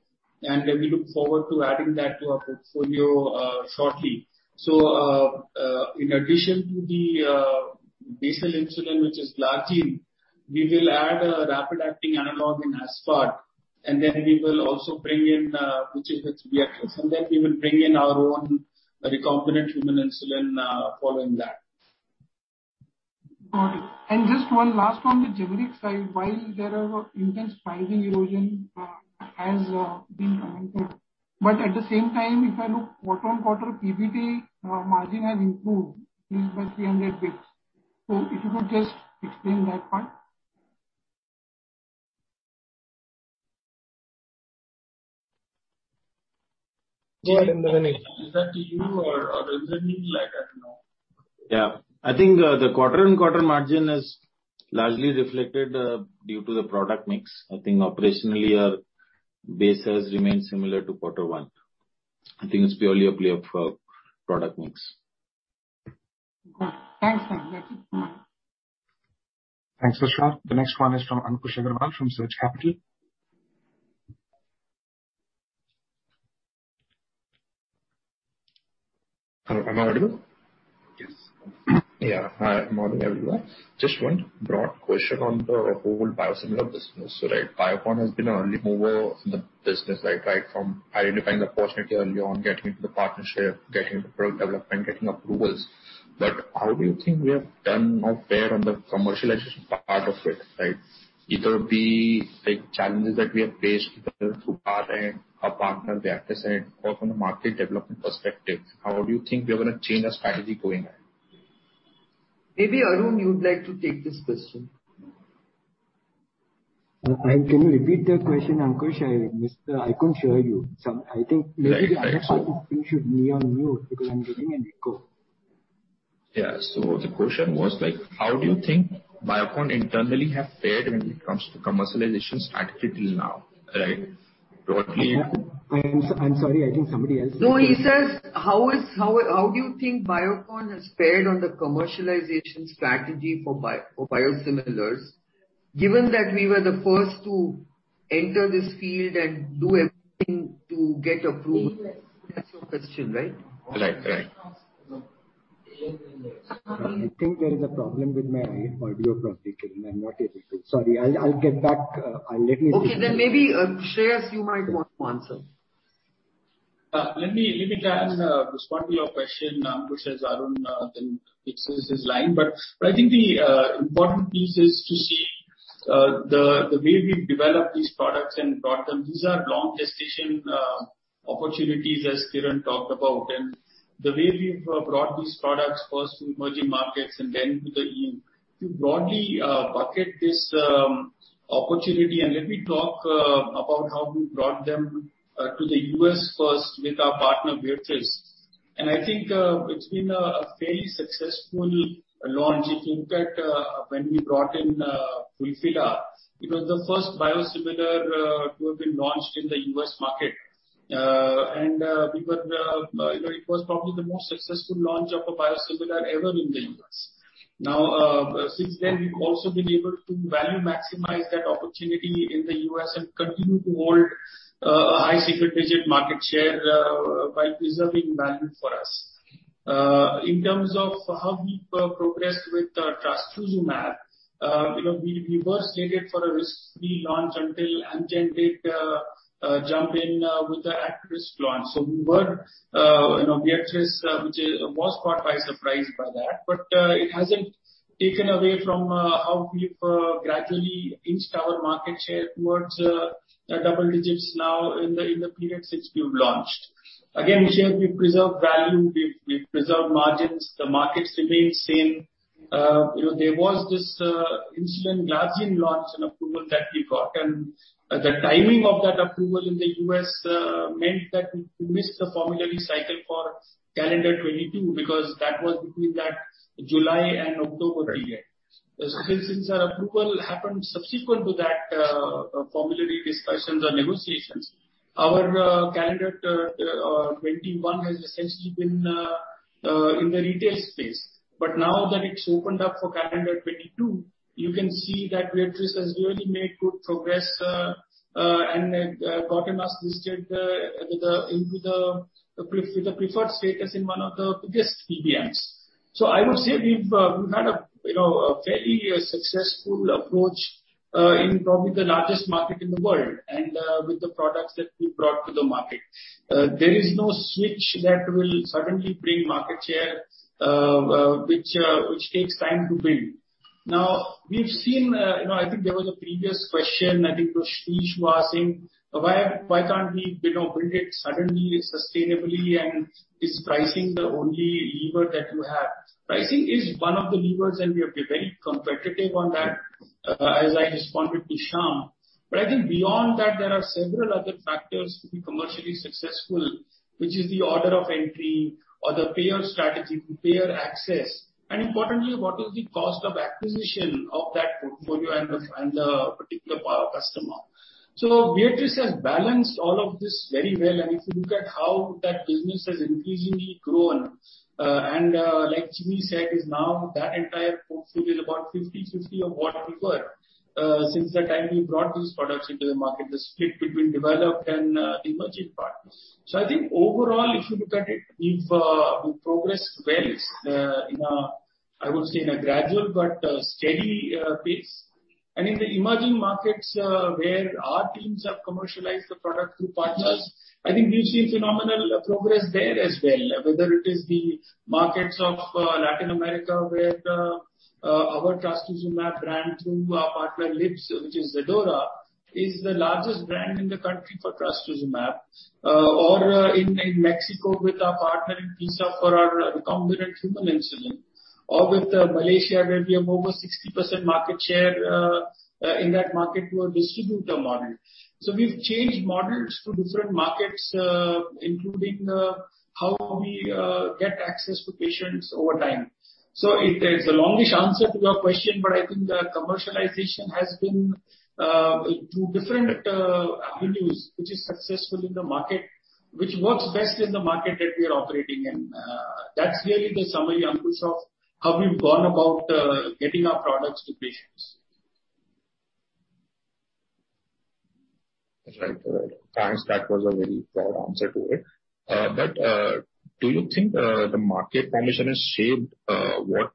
and we look forward to adding that to our portfolio shortly. In addition to the basal insulin, which is glargine, we will add a rapid-acting analog in Aspart, which is with Viatris, and then we will bring in our own recombinant human insulin following that. Got it. Just one last on the generic side, while there are intense pricing erosion, as being commented, but at the same time, if I look quarter-on-quarter, PBT margin has improved 300 basis points. If you could just explain that point. Is that to you or is that me? I don't know. Yeah. I think the quarter-on-quarter margin is largely reflected due to the product mix. I think operationally our base has remained similar to quarter one. I think it's purely a play of product mix. Okay. Thanks. That's it. Thanks, Tushar. The next one is from Ankush Agarwal from Surge Capital. Hello, am I audible? Yes. Yeah. Hi, morning, everyone. Just one broad question on the whole biosimilar business. Biocon has been an early mover in the business, right? From identifying the opportunity early on, getting into the partnership, getting the product development, getting approvals. How do you think we have done or fared on the commercialization part of it, right? Either be challenges that we have faced either through our end, our partner Viatris end, or from a market development perspective, how do you think we're going to change our strategy going ahead? Maybe, Arun, you'd like to take this question. Can you repeat the question, Ankush? I couldn't hear you. I think maybe the other people should be on mute because I'm getting an echo. Yeah. The question was, how do you think Biocon internally have fared when it comes to commercialization strategy till now, right? Broadly. I'm sorry. I think somebody else- No, he says, how do you think Biocon has fared on the commercialization strategy for biosimilars, given that we were the first to enter this field and do everything to get approved? That's your question, right? Right. I think there is a problem with my audio from this end. I'm not able to. Sorry, I'll get back. Let me see. Okay. Maybe, Shreehas, you might want to answer. Let me try and respond to your question, Ankush, as Arun fixes his line. I think the important piece is to see the way we've developed these products and brought them. These are long gestation opportunities, as Kiran talked about, and the way we've brought these products first to emerging markets and then to the EU to broadly bucket this opportunity, and let me talk about how we brought them to the U.S. first with our partner, Viatris. I think it's been a very successful launch. In fact, when we brought in Fulphila, it was the first biosimilar to have been launched in the U.S. market. It was probably the most successful launch of a biosimilar ever in the U.S. Since then, we've also been able to value maximize that opportunity in the U.S. and continue to hold a high significant market share by preserving value for us. In terms of how we progressed with trastuzumab, we were slated for a risk-free launch until Amgen did jump in with the at-risk launch. Viatris was caught by surprise by that, but it hasn't taken away from how we've gradually inched our market share towards double digits now in the period since we've launched. Again, we've preserved value, we've preserved margins. The markets remain same. There was this insulin glargine launch and approval that we got, and the timing of that approval in the U.S. meant that we missed the formulary cycle for calendar 2022 because that was between that July and October period. Since our approval happened subsequent to that formulary discussions or negotiations, our calendar 2021 has essentially been in the retail space. Now that it's opened up for calendar 2022, you can see that Viatris has really made good progress and got us listed with the preferred status in one of the biggest PBMs. I would say we've had a fairly successful approach in probably the largest market in the world, and with the products that we brought to the market. There is no switch that will suddenly bring market share, which takes time to build. We've seen, I think there was a previous question, I think it was Sheersh was asking, why can't we build it suddenly, sustainably, and is pricing the only lever that you have? Pricing is one of the levers, and we have been very competitive on that, as I responded to Shyam. I think beyond that, there are several other factors to be commercially successful, which is the order of entry or the payer strategy to payer access, and importantly, what is the cost of acquisition of that portfolio and the particular customer. Viatris has balanced all of this very well, and if you look at how that business has increasingly grown. Like Jimmy said, is now that entire portfolio is about 50/50 of what we were since the time we brought these products into the market, the split between developed and the emerging part. I think overall, if you look at it, we've progressed well, I would say in a gradual but steady pace. In the emerging markets, where our teams have commercialized the product through partners, I think we've seen phenomenal progress there as well, whether it is the markets of Latin America, where our trastuzumab brand through our partner Libbs, which is Zedora, is the largest brand in the country for trastuzumab. In Mexico with our partner in PiSA for our recombinant human insulin, or with Malaysia, where we have over 60% market share in that market through a distributor model. We've changed models to different markets, including how we get access to patients over time. It is a longish answer to your question, but I think the commercialization has been through different avenues, which is successful in the market, which works best in the market that we are operating in. That's really the summary, Ankush, of how we've gone about getting our products to patients. Right. Thanks. That was a very broad answer to it. Do you think the market formation has shaped what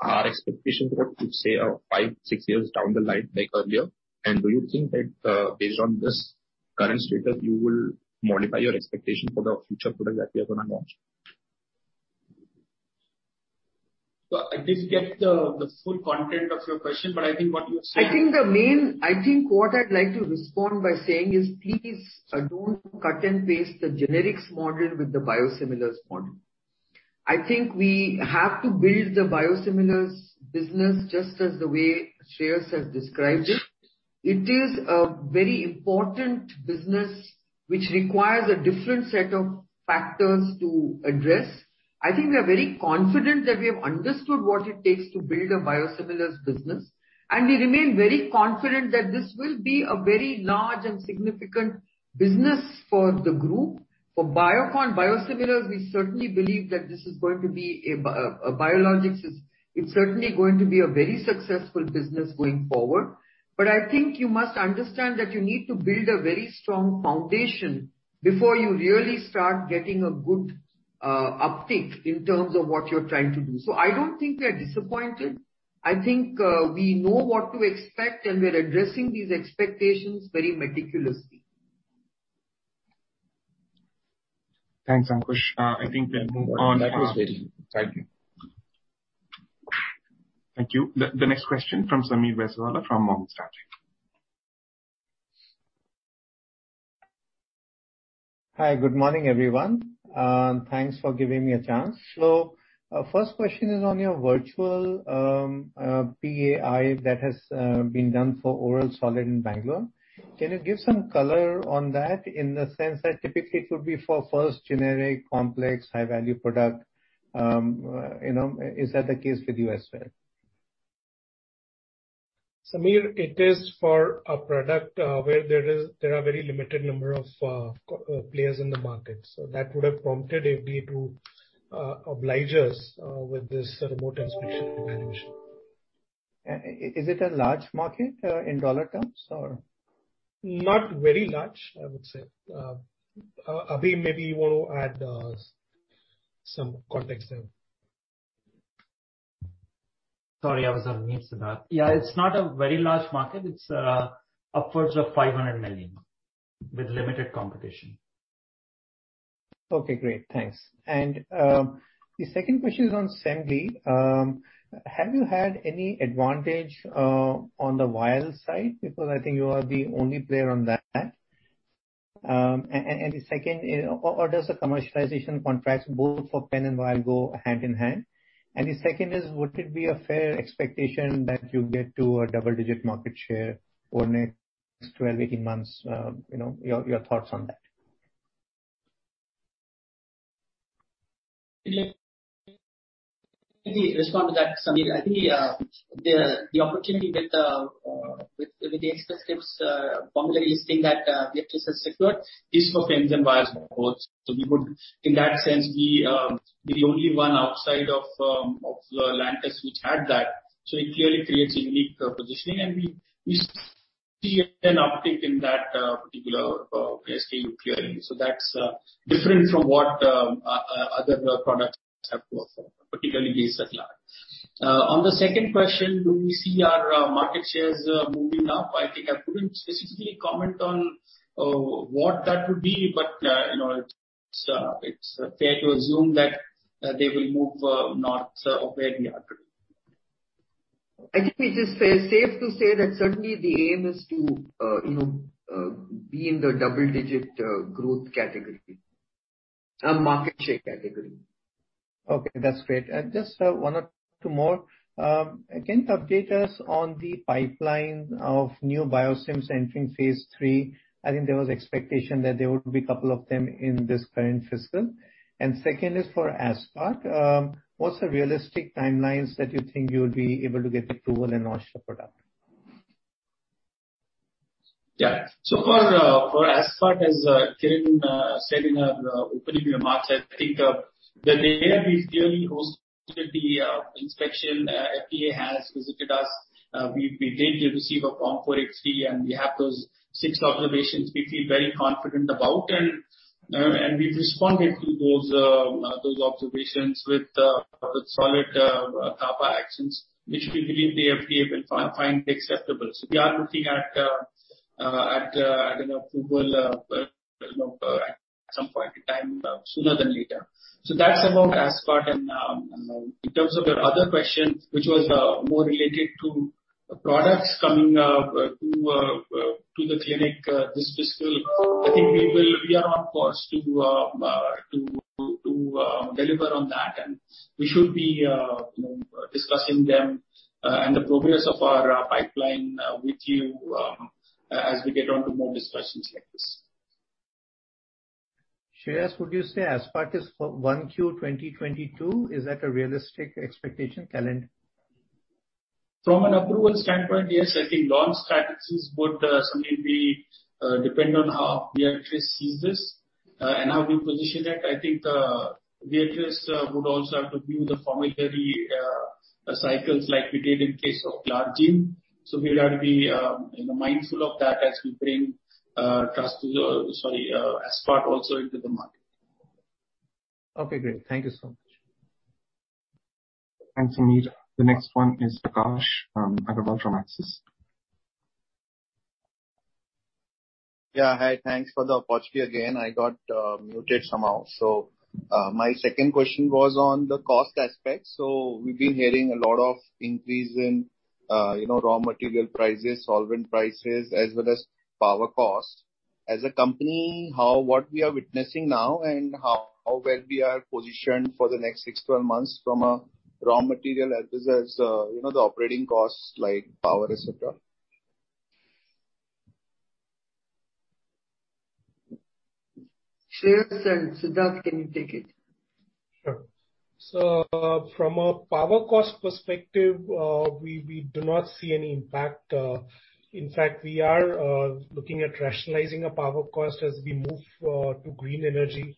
our expectations were to say five, six years down the line, like earlier? Do you think that based on this current status, you will modify your expectation for the future products that we are going to launch? I didn't get the full content of your question, but I think what you're saying. I think what I'd like to respond by saying is, please don't cut and paste the generics model with the biosimilars model. I think we have to build the biosimilars business just as the way Shreyas has described it. It is a very important business which requires a different set of factors to address. I think we are very confident that we have understood what it takes to build a biosimilars business, and we remain very confident that this will be a very large and significant business for the group. For Biocon biosimilars, we certainly believe that this is going to be a biologics. It's certainly going to be a very successful business going forward. I think you must understand that you need to build a very strong foundation before you really start getting a good uptick in terms of what you're trying to do. I don't think we are disappointed. I think we know what to expect, and we're addressing these expectations very meticulously. Thanks, Ankush. I think we'll move on. That was very good. Thank you. Thank you. The next question from Sameer Baisiwala from Morgan Stanley. Hi. Good morning, everyone. Thanks for giving me a chance. First question is on your virtual PAI that has been done for oral solid in Bengaluru. Can you give some color on that in the sense that typically it would be for first generic, complex, high-value product. Is that the case with you as well? Sameer, it is for a product where there are very limited number of players in the market. That would have prompted FDA to oblige us with this remote inspection evaluation. Is it a large market in dollar terms or? Not very large, I would say. Abhi, maybe you want to add some context there. Sorry, I was on mute, Siddharth. Yeah, it's not a very large market. It's upwards of $500 million with limited competition. Okay, great. Thanks. The second question is on. Have you had any advantage on the vial side because I think you are the only player on that? Does the commercialization contracts both for pen and vial go hand in hand? The second is, would it be a fair expectation that you get to a double-digit market share over the next 12, 18 months? Your thoughts on that. Let me respond to that, Sameer. I think the opportunity with the exclusive formulary listing that Viatris has secured is for pens and vials both. We would, in that sense, be the only one outside of Lantus which had that. It clearly creates a unique positioning, and we see an uptick in that particular SKU, clearly. That's different from what other products have performed, particularly base Basaglar. On the second question, do we see our market shares moving up? I think I couldn't specifically comment on what that would be, but it's fair to assume that they will move north of where we are today. I think it is safe to say that certainly the aim is to be in the double-digit growth category, market share category. Okay, that's great. Just one or two more. Update us on the pipeline of new biosims entering phase III. I think there was expectation that there would be couple of them in this current fiscal. Second is for Aspart, what's the realistic timelines that you think you'll be able to get approval and launch the product? Yeah. For Aspart, as Kiran said in her opening remarks, I think that they have clearly hosted the inspection. FDA has visited us. We did receive a Form 483, we have those six observations we feel very confident about. We've responded to those observations with solid CAPA actions, which we believe the FDA will find acceptable. We are looking at an approval at some point in time, sooner than later. That's about Aspart. In terms of your other question, which was more related to products coming to the clinic this fiscal, I think we are on course to deliver on that, and we should be discussing them and the progress of our pipeline with you as we get onto more discussions like this. Shreehas, would you say Aspart is for 1Q 2022? Is that a realistic expectation calendar? From an approval standpoint, yes. I think launch strategies would certainly depend on how we Viatris sees this and how we position it. I think we Viatris would also have to view the formulary cycles like we did in case of glargine. We'll have to be mindful of that as we bring insulin Aspart also into the market. Okay, great. Thank you so much. Thanks, Sameer. The next one is Prakash Agarwal from Axis. Yeah, hi. Thanks for the opportunity again. I got muted somehow. My second question was on the cost aspect. We've been hearing a lot of increase in raw material prices, solvent prices, as well as power costs. As a company, what we are witnessing now and how well we are positioned for the next 6, 12 months from a raw material as well as the operating costs like power, et cetera? Shreehas and Siddharth, can you take it? Sure. From a power cost perspective, we do not see any impact. In fact, we are looking at rationalizing our power cost as we move to green energy,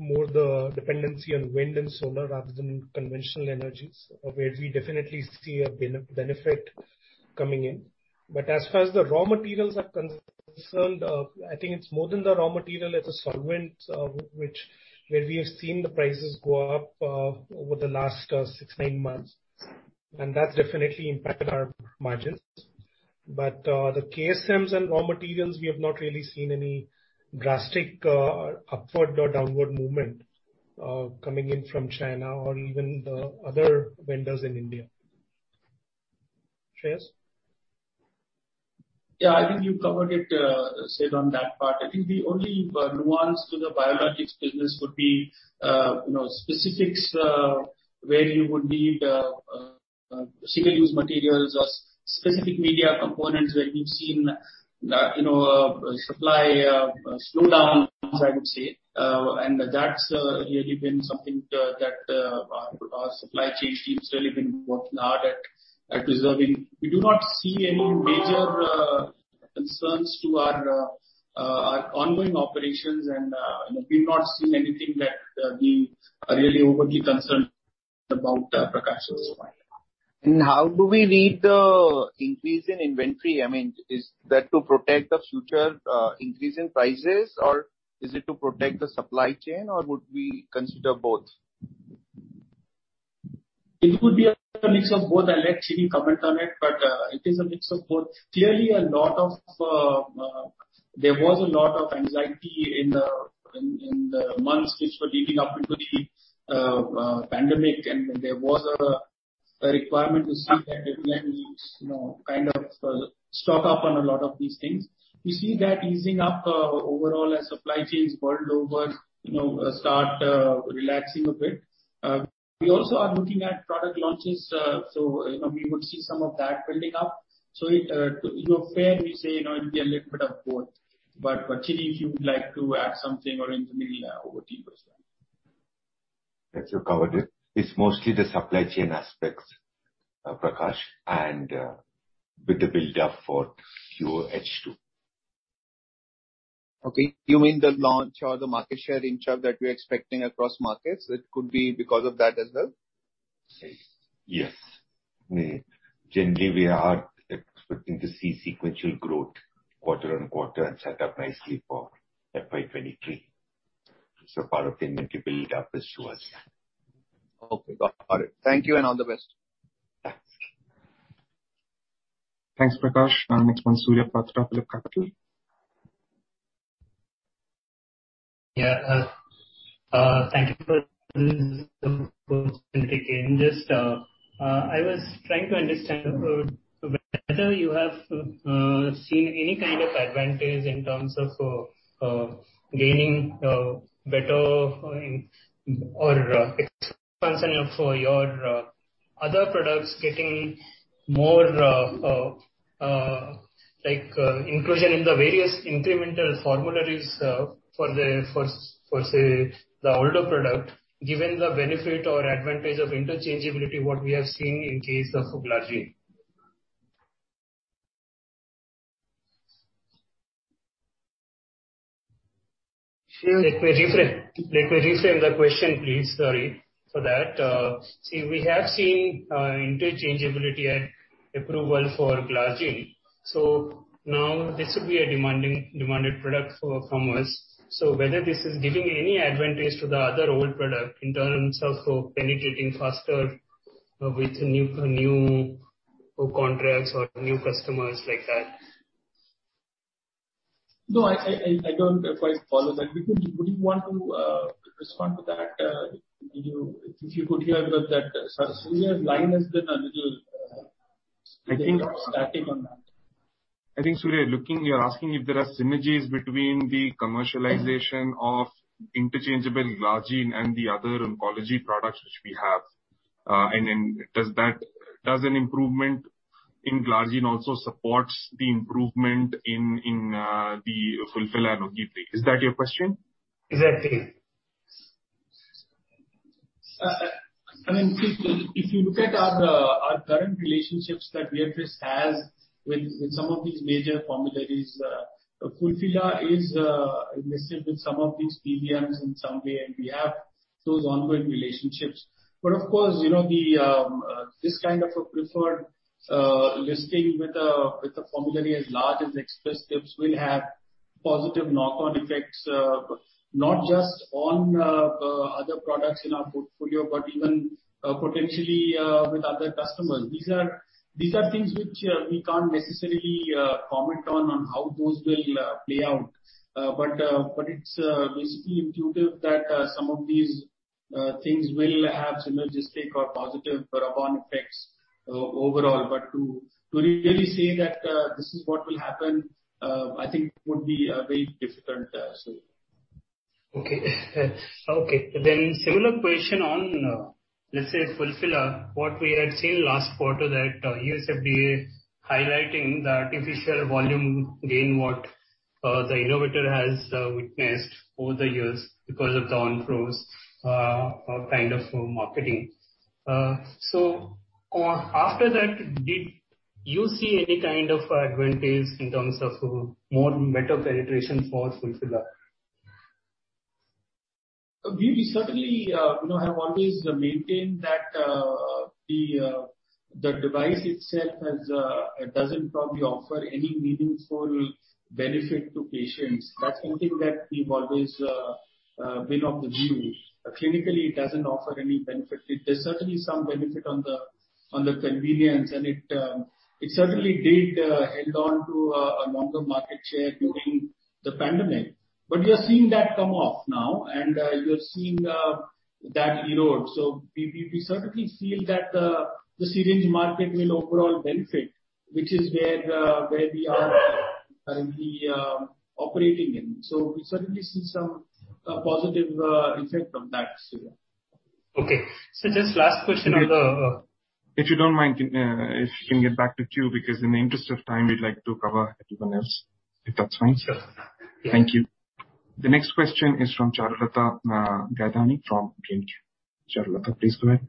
more the dependency on wind and solar rather than conventional energies, where we definitely see a benefit coming in. As far as the raw materials are concerned, I think it's more than the raw material, it's the solvent where we have seen the prices go up over the last 6, 9 months, and that definitely impacted our margins. The KSMs and raw materials, we have not really seen any drastic upward or downward movement coming in from China or even the other vendors in India. Shreehas? Yeah, I think you covered it, Sid, on that part. I think the only nuance to the biologics business would be specifics where you would need single-use materials or specific media components where we've seen supply slowdowns, I would say. That's really been something that our supply chain team's really been working hard at preserving. We do not see any major concerns to our ongoing operations, and we've not seen anything that we are really overly concerned about, Prakash, so far. How do we read the increase in inventory? I mean, is that to protect the future increase in prices, or is it to protect the supply chain, or would we consider both? It would be a mix of both. I'll let Siddhart comment on it. It is a mix of both. Clearly, there was a lot of anxiety in the months which were leading up into the pandemic, and there was a requirement to somehow definitely kind of stock up on a lot of these things. We see that easing up overall as supply chains world over start relaxing a bit. We also are looking at product launches. We would see some of that building up. Fair to say it'll be a little bit of both. Siddhart, if you would like to add something or anything overly concerned? Yes, you covered it. It is mostly the supply chain aspects, Prakash, and with the buildup for Q2. Okay. You mean the launch or the market share in terms of what we're expecting across markets, it could be because of that as well? Yes. Generally, we are expecting to see sequential growth quarter-over-quarter and set up nicely for FY 2023. Part of the inventory build-up is towards that. Okay, got it. Thank you, and all the best. Thanks. Thanks, Prakash. Next one, Surya Patra, PhillipCapital. I was trying to understand, whether you have seen any kind of advantage in terms of gaining better or expansion for your other products, getting more inclusion in the various incremental formularies for the older product, given the benefit or advantage of interchangeability, what we have seen in case of glargine. Let me reframe the question, please. Sorry for that. We have seen interchangeability at approval for glargine. Now this will be a demanded product from us. Whether this is giving any advantage to the other old product in terms of penetrating faster with new contracts or new customers like that? No, I don't quite follow that. Nikunj, would you want to respond to that? If you could hear that, Surya's line has been a little- I think- Static on that. I think, Surya, you're asking if there are synergies between the commercialization of interchangeable glargine and the other oncology products which we have. Does an improvement in glargine also supports the improvement in the Fulphila and Ogivri. Is that your question? Exactly. Nikunj, if you look at our current relationships that we at least have with some of these major formularies, Fulphila is listed with some of these PBMs in some way, and we have those ongoing relationships. Of course, this kind of a preferred listing with a formulary as large as Express Scripts will have positive knock-on effects, not just on other products in our portfolio, but even potentially with other customers. These are things which we can't necessarily comment on how those will play out. It's basically intuitive that some of these things will have synergistic or positive knock-on effects overall. To really say that this is what will happen, I think would be very difficult, Surya. Okay. Similar question on, let's say Fulphila, what we had seen last quarter that U.S. FDA highlighting the artificial volume gain what the innovator has witnessed over the years because of the Onpro kind of marketing. After that, did you see any kind of advantage in terms of more better penetration for Fulphila? We certainly have always maintained that the device itself doesn't probably offer any meaningful benefit to patients. That's something that we've always been of the view. Clinically, it doesn't offer any benefit. There's certainly some benefit on the convenience, and it certainly did hang on to a longer market share during the pandemic. You're seeing that come off now, and you're seeing that erode. We certainly feel that the syringe market will overall benefit, which is where we are currently operating in. We certainly see some positive effect of that, Surya. Okay. just last question on. If you don't mind, if you can get back to queue, because in the interest of time, we'd like to cover everyone else, if that's fine, sir. Yeah. Thank you. The next question is from Charulata Gaidhani from Dalal & Broacha. Charulata, please go ahead.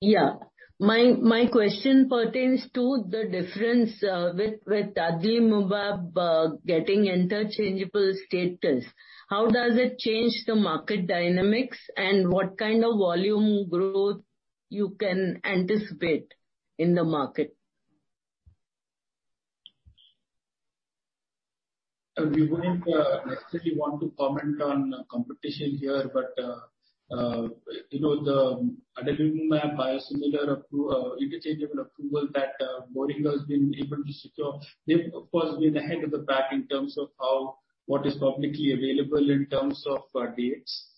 Yeah. My question pertains to the difference with adalimumab getting interchangeable status. How does it change the market dynamics, and what kind of volume growth you can anticipate in the market? We wouldn't necessarily want to comment on competition here, the adalimumab biosimilar interchangeable approval that Boehringer has been able to secure, they've, of course, been ahead of the pack in terms of what is publicly available in terms of dates.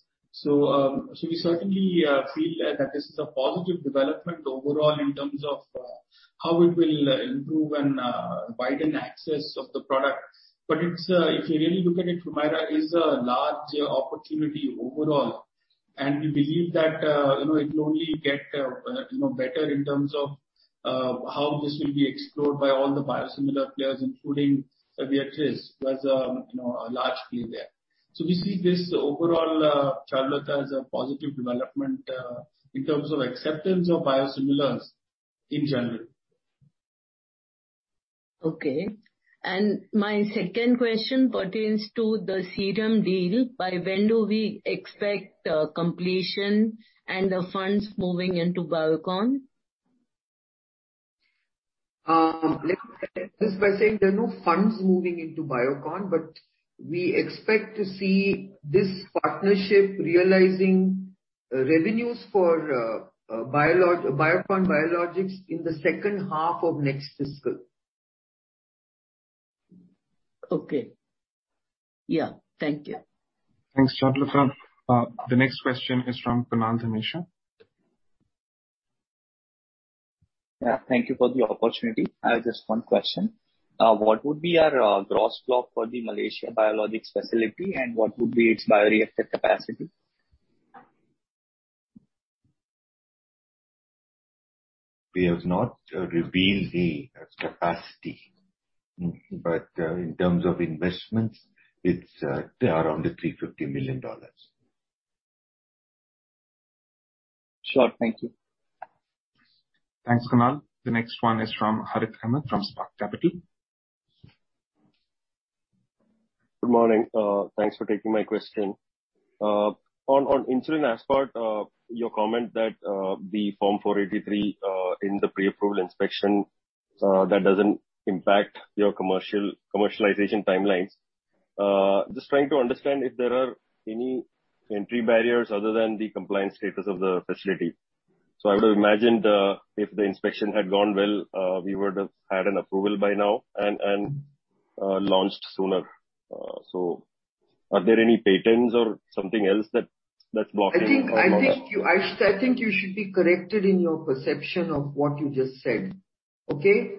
We certainly feel that this is a positive development overall in terms of how it will improve and widen access of the product. If you really look at it, HUMIRA is a large opportunity overall, and we believe that it will only get better in terms of how this will be explored by all the biosimilar players, including Viatris, who has a large play there. We see this overall, Charulata, as a positive development in terms of acceptance of biosimilars. In general. Okay. My second question pertains to the Serum deal. By when do we expect completion and the funds moving into Biocon? Let me start just by saying there are no funds moving into Biocon, but we expect to see this partnership realizing revenues for Biocon Biologics in the second half of next fiscal. Okay. Yeah. Thank you. Thanks, Charulata. The next question is from Kunal Dhamesha. Yeah. Thank you for the opportunity. I have just one question. What would be our gross block for the Malaysia biologics facility, and what would be its bioreactor capacity? We have not revealed the capacity. In terms of investments, it's around $350 million. Sure. Thank you. Thanks, Kunal. The next one is from Harith Ahamed from Spark Capital. Good morning. Thanks for taking my question. On insulin Aspart, your comment that the Form 483 in the pre-approval inspection, that doesn't impact your commercialization timelines. Just trying to understand if there are any entry barriers other than the compliance status of the facility. I would've imagined, if the inspection had gone well, we would have had an approval by now and launched sooner. Are there any patents or something else that's blocking? I think you should be corrected in your perception of what you just said. Okay?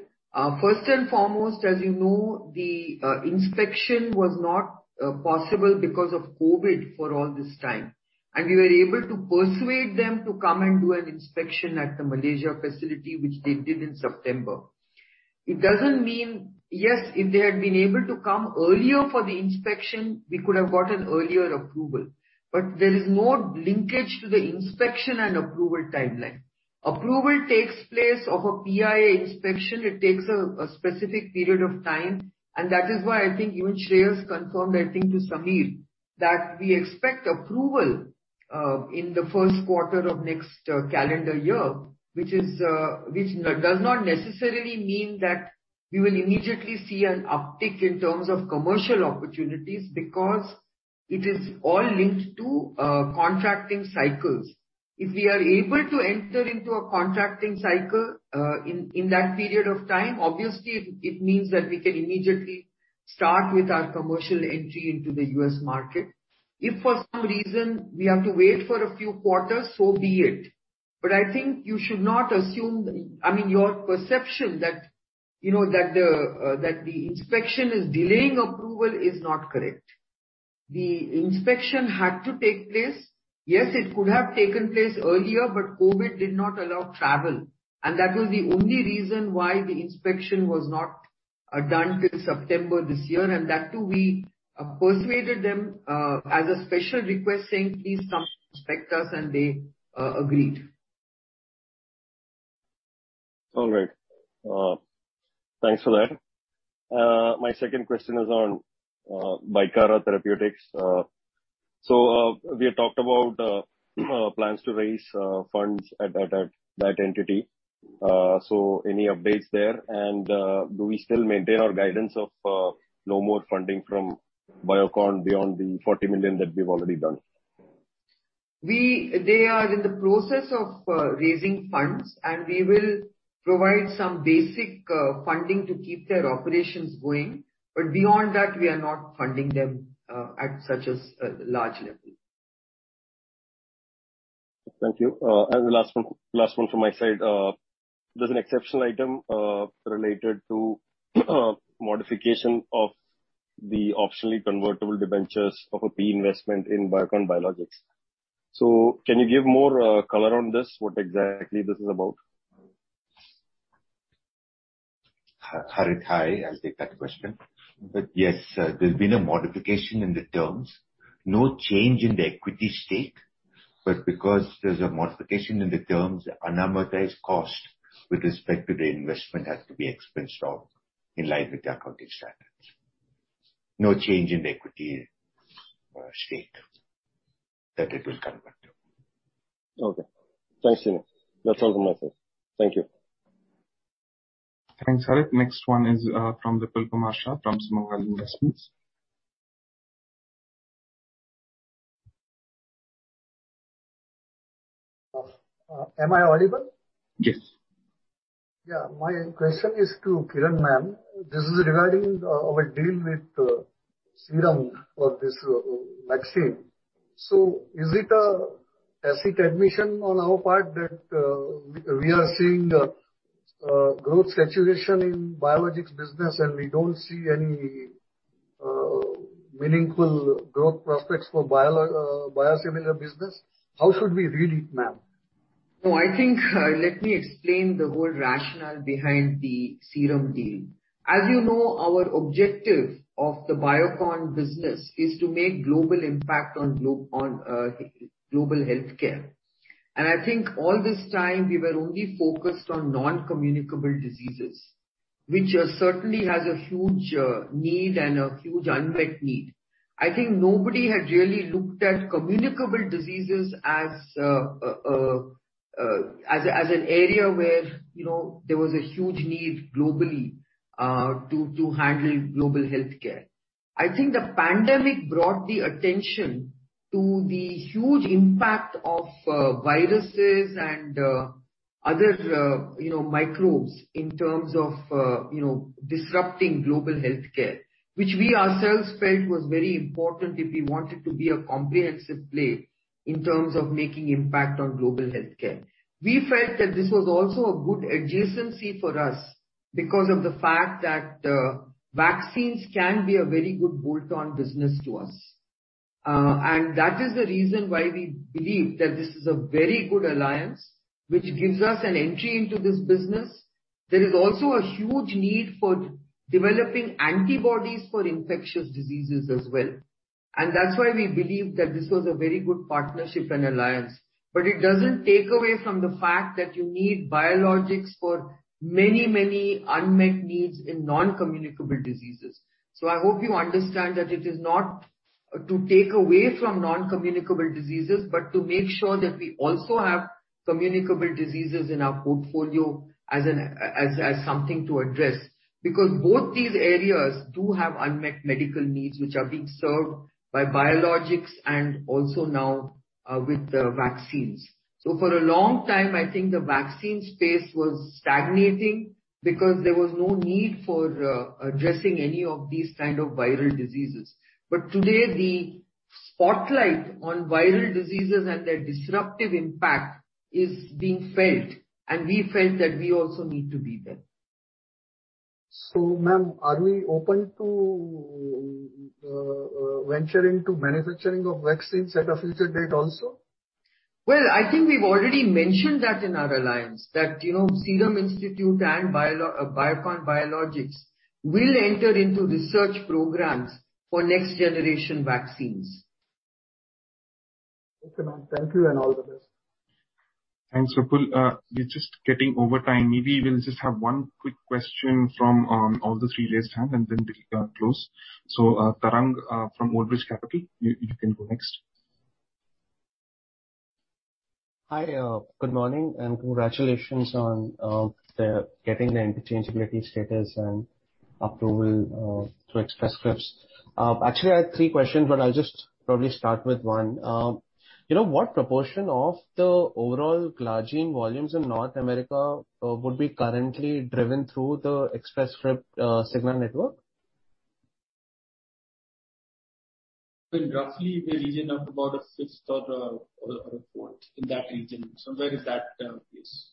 First and foremost, as you know, the inspection was not possible because of COVID for all this time. We were able to persuade them to come and do an inspection at the Malaysia facility, which they did in September. It doesn't mean, if they had been able to come earlier for the inspection, we could have gotten earlier approval. There is no linkage to the inspection and approval timeline. Approval takes place of a PAI inspection. It takes a specific period of time, and that is why I think even Shreehas confirmed, I think, to Sameer, that we expect approval in the first quarter of next calendar year, which does not necessarily mean that we will immediately see an uptick in terms of commercial opportunities, because it is all linked to contracting cycles. If we are able to enter into a contracting cycle, in that period of time, obviously it means that we can immediately start with our commercial entry into the U.S. market. If for some reason we have to wait for a few quarters, so be it. I think you should not assume I mean, your perception that the inspection is delaying approval is not correct. The inspection had to take place. Yes, it could have taken place earlier, but COVID did not allow travel, and that was the only reason why the inspection was not done till September this year, and that too, we persuaded them as a special request saying, Please come inspect us, and they agreed. All right. Thanks for that. My second question is on Bicara Therapeutics. We had talked about plans to raise funds at that entity. Any updates there, and do we still maintain our guidance of no more funding from Biocon beyond the $40 million that we've already done? They are in the process of raising funds. We will provide some basic funding to keep their operations going. Beyond that, we are not funding them at such a large level. Thank you. The last one from my side. There's an exceptional item related to modification of the optionally convertible debentures of a PE investment in Biocon Biologics. Can you give more color on this, what exactly this is about? Harith, hi. I'll take that question. Yes, there's been a modification in the terms. No change in the equity stake, but because there's a modification in the terms, the unamortized cost with respect to the investment had to be expensed off in line with the accounting standards. No change in the equity stake that it will convert to. Okay. Thanks, Siddhart. That's all from my side. Thank you. Thanks, Harith. Next one is from VipulKumar Shah from Sumangal Investments. Am I audible? Yes. Yeah. My question is to Kiran, ma'am. This is regarding our deal with Serum for this vaccine. Is it a tacit admission on our part that we are seeing growth saturation in biologics business and we don't see any meaningful growth prospects for biosimilar business? How should we read it, ma'am? No, I think let me explain the whole rationale behind the Serum deal. As you know, our objective of the Biocon business is to make global impact on global healthcare. I think all this time, we were only focused on non-communicable diseases, which certainly has a huge need and a huge unmet need. I think nobody had really looked at communicable diseases as an area where there was a huge need globally to handle global healthcare. I think the pandemic brought the attention to the huge impact of viruses and other microbes in terms of disrupting global healthcare, which we ourselves felt was very important if we wanted to be a comprehensive play in terms of making impact on global healthcare. We felt that this was also a good adjacency for us because of the fact that vaccines can be a very good bolt-on business to us. That is the reason why we believe that this is a very good alliance, which gives us an entry into this business. There is also a huge need for developing antibodies for infectious diseases as well, and that's why we believe that this was a very good partnership and alliance. It doesn't take away from the fact that you need biologics for many unmet needs in non-communicable diseases. I hope you understand that it is not to take away from non-communicable diseases, but to make sure that we also have communicable diseases in our portfolio as something to address. Because both these areas do have unmet medical needs, which are being served by biologics and also now with vaccines. For a long time, I think the vaccine space was stagnating because there was no need for addressing any of these kind of viral diseases. Today, the spotlight on viral diseases and their disruptive impact is being felt, and we felt that we also need to be there. Ma'am, are we open to venturing into manufacturing of vaccines at a future date also? Well, I think we've already mentioned that in our alliance that Serum Institute and Biocon Biologics will enter into research programs for next generation vaccines. Okay, ma'am. Thank you and all the best. Thanks, Vipul. We're just getting over time. Maybe we'll just have one quick question from all the three left and then we'll close. Tarang from Old Bridge Capital, you can go next. Hi, good morning. Congratulations on getting the interchangeability status and approval through Express Scripts. Actually, I had three questions, but I'll just probably start with one. What proportion of the overall glargine volumes in North America would be currently driven through the Express Scripts signal network? Roughly in the region of about a fifth or a fourth, in that region, somewhere in that place.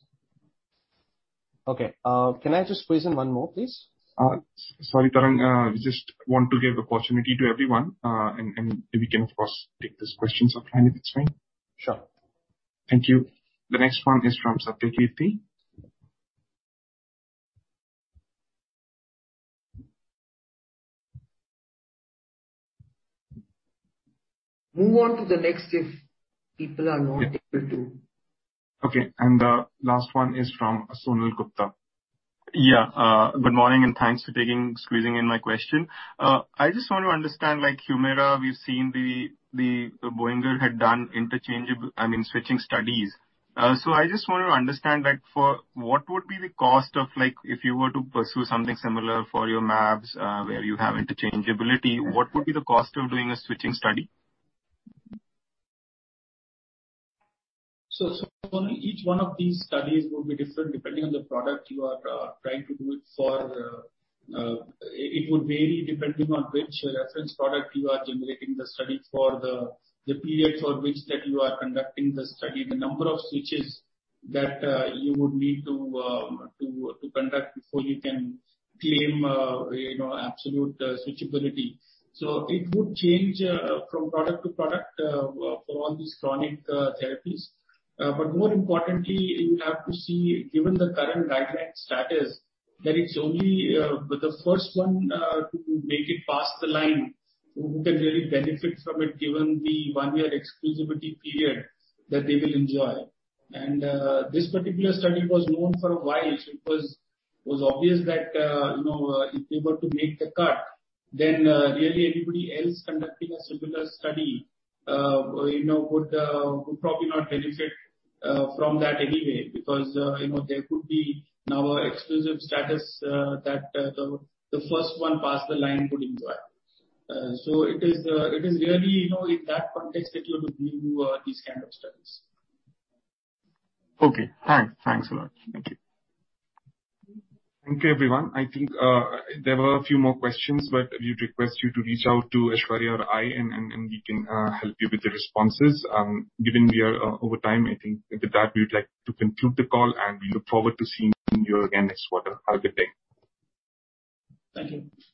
Okay. Can I just squeeze in one more, please? Sorry, Tarang, we just want to give opportunity to everyone, and we can, of course, take those questions offline if it's fine. Sure. Thank you. The next one is from Satya Keerti. Move on to the next if people are not able to. Okay. The last one is from Sonal Gupta. Yeah. Good morning, and thanks for squeezing in my question. I just want to understand like HUMIRA, we've seen Boehringer had done switching studies. I just want to understand what would be the cost of if you were to pursue something similar for your mAbs where you have interchangeability, what would be the cost of doing a switching study? Sonal, each one of these studies would be different depending on the product you are trying to do it for. It would vary depending on which reference product you are generating the study for, the period for which that you are conducting the study, the number of switches that you would need to conduct before you can claim absolute switchability. It would change from product to product for all these chronic therapies. More importantly, you have to see, given the current guideline status, that it's only the first one to make it past the line who can really benefit from it given the one-year exclusivity period that they will enjoy. This particular study was known for a while. It was obvious that if they were to make the cut, then really anybody else conducting a similar study would probably not benefit from that anyway, because there could be now an exclusive status that the first one past the line would enjoy. It is really in that context that you have to view these kind of studies. Okay. Thanks a lot. Thank you. Thank you everyone. I think there were a few more questions, but we request you to reach out to Aishwarya or I, and we can help you with the responses. Given we are over time, I think with that, we would like to conclude the call and we look forward to seeing you again next quarter. Have a good day. Thank you.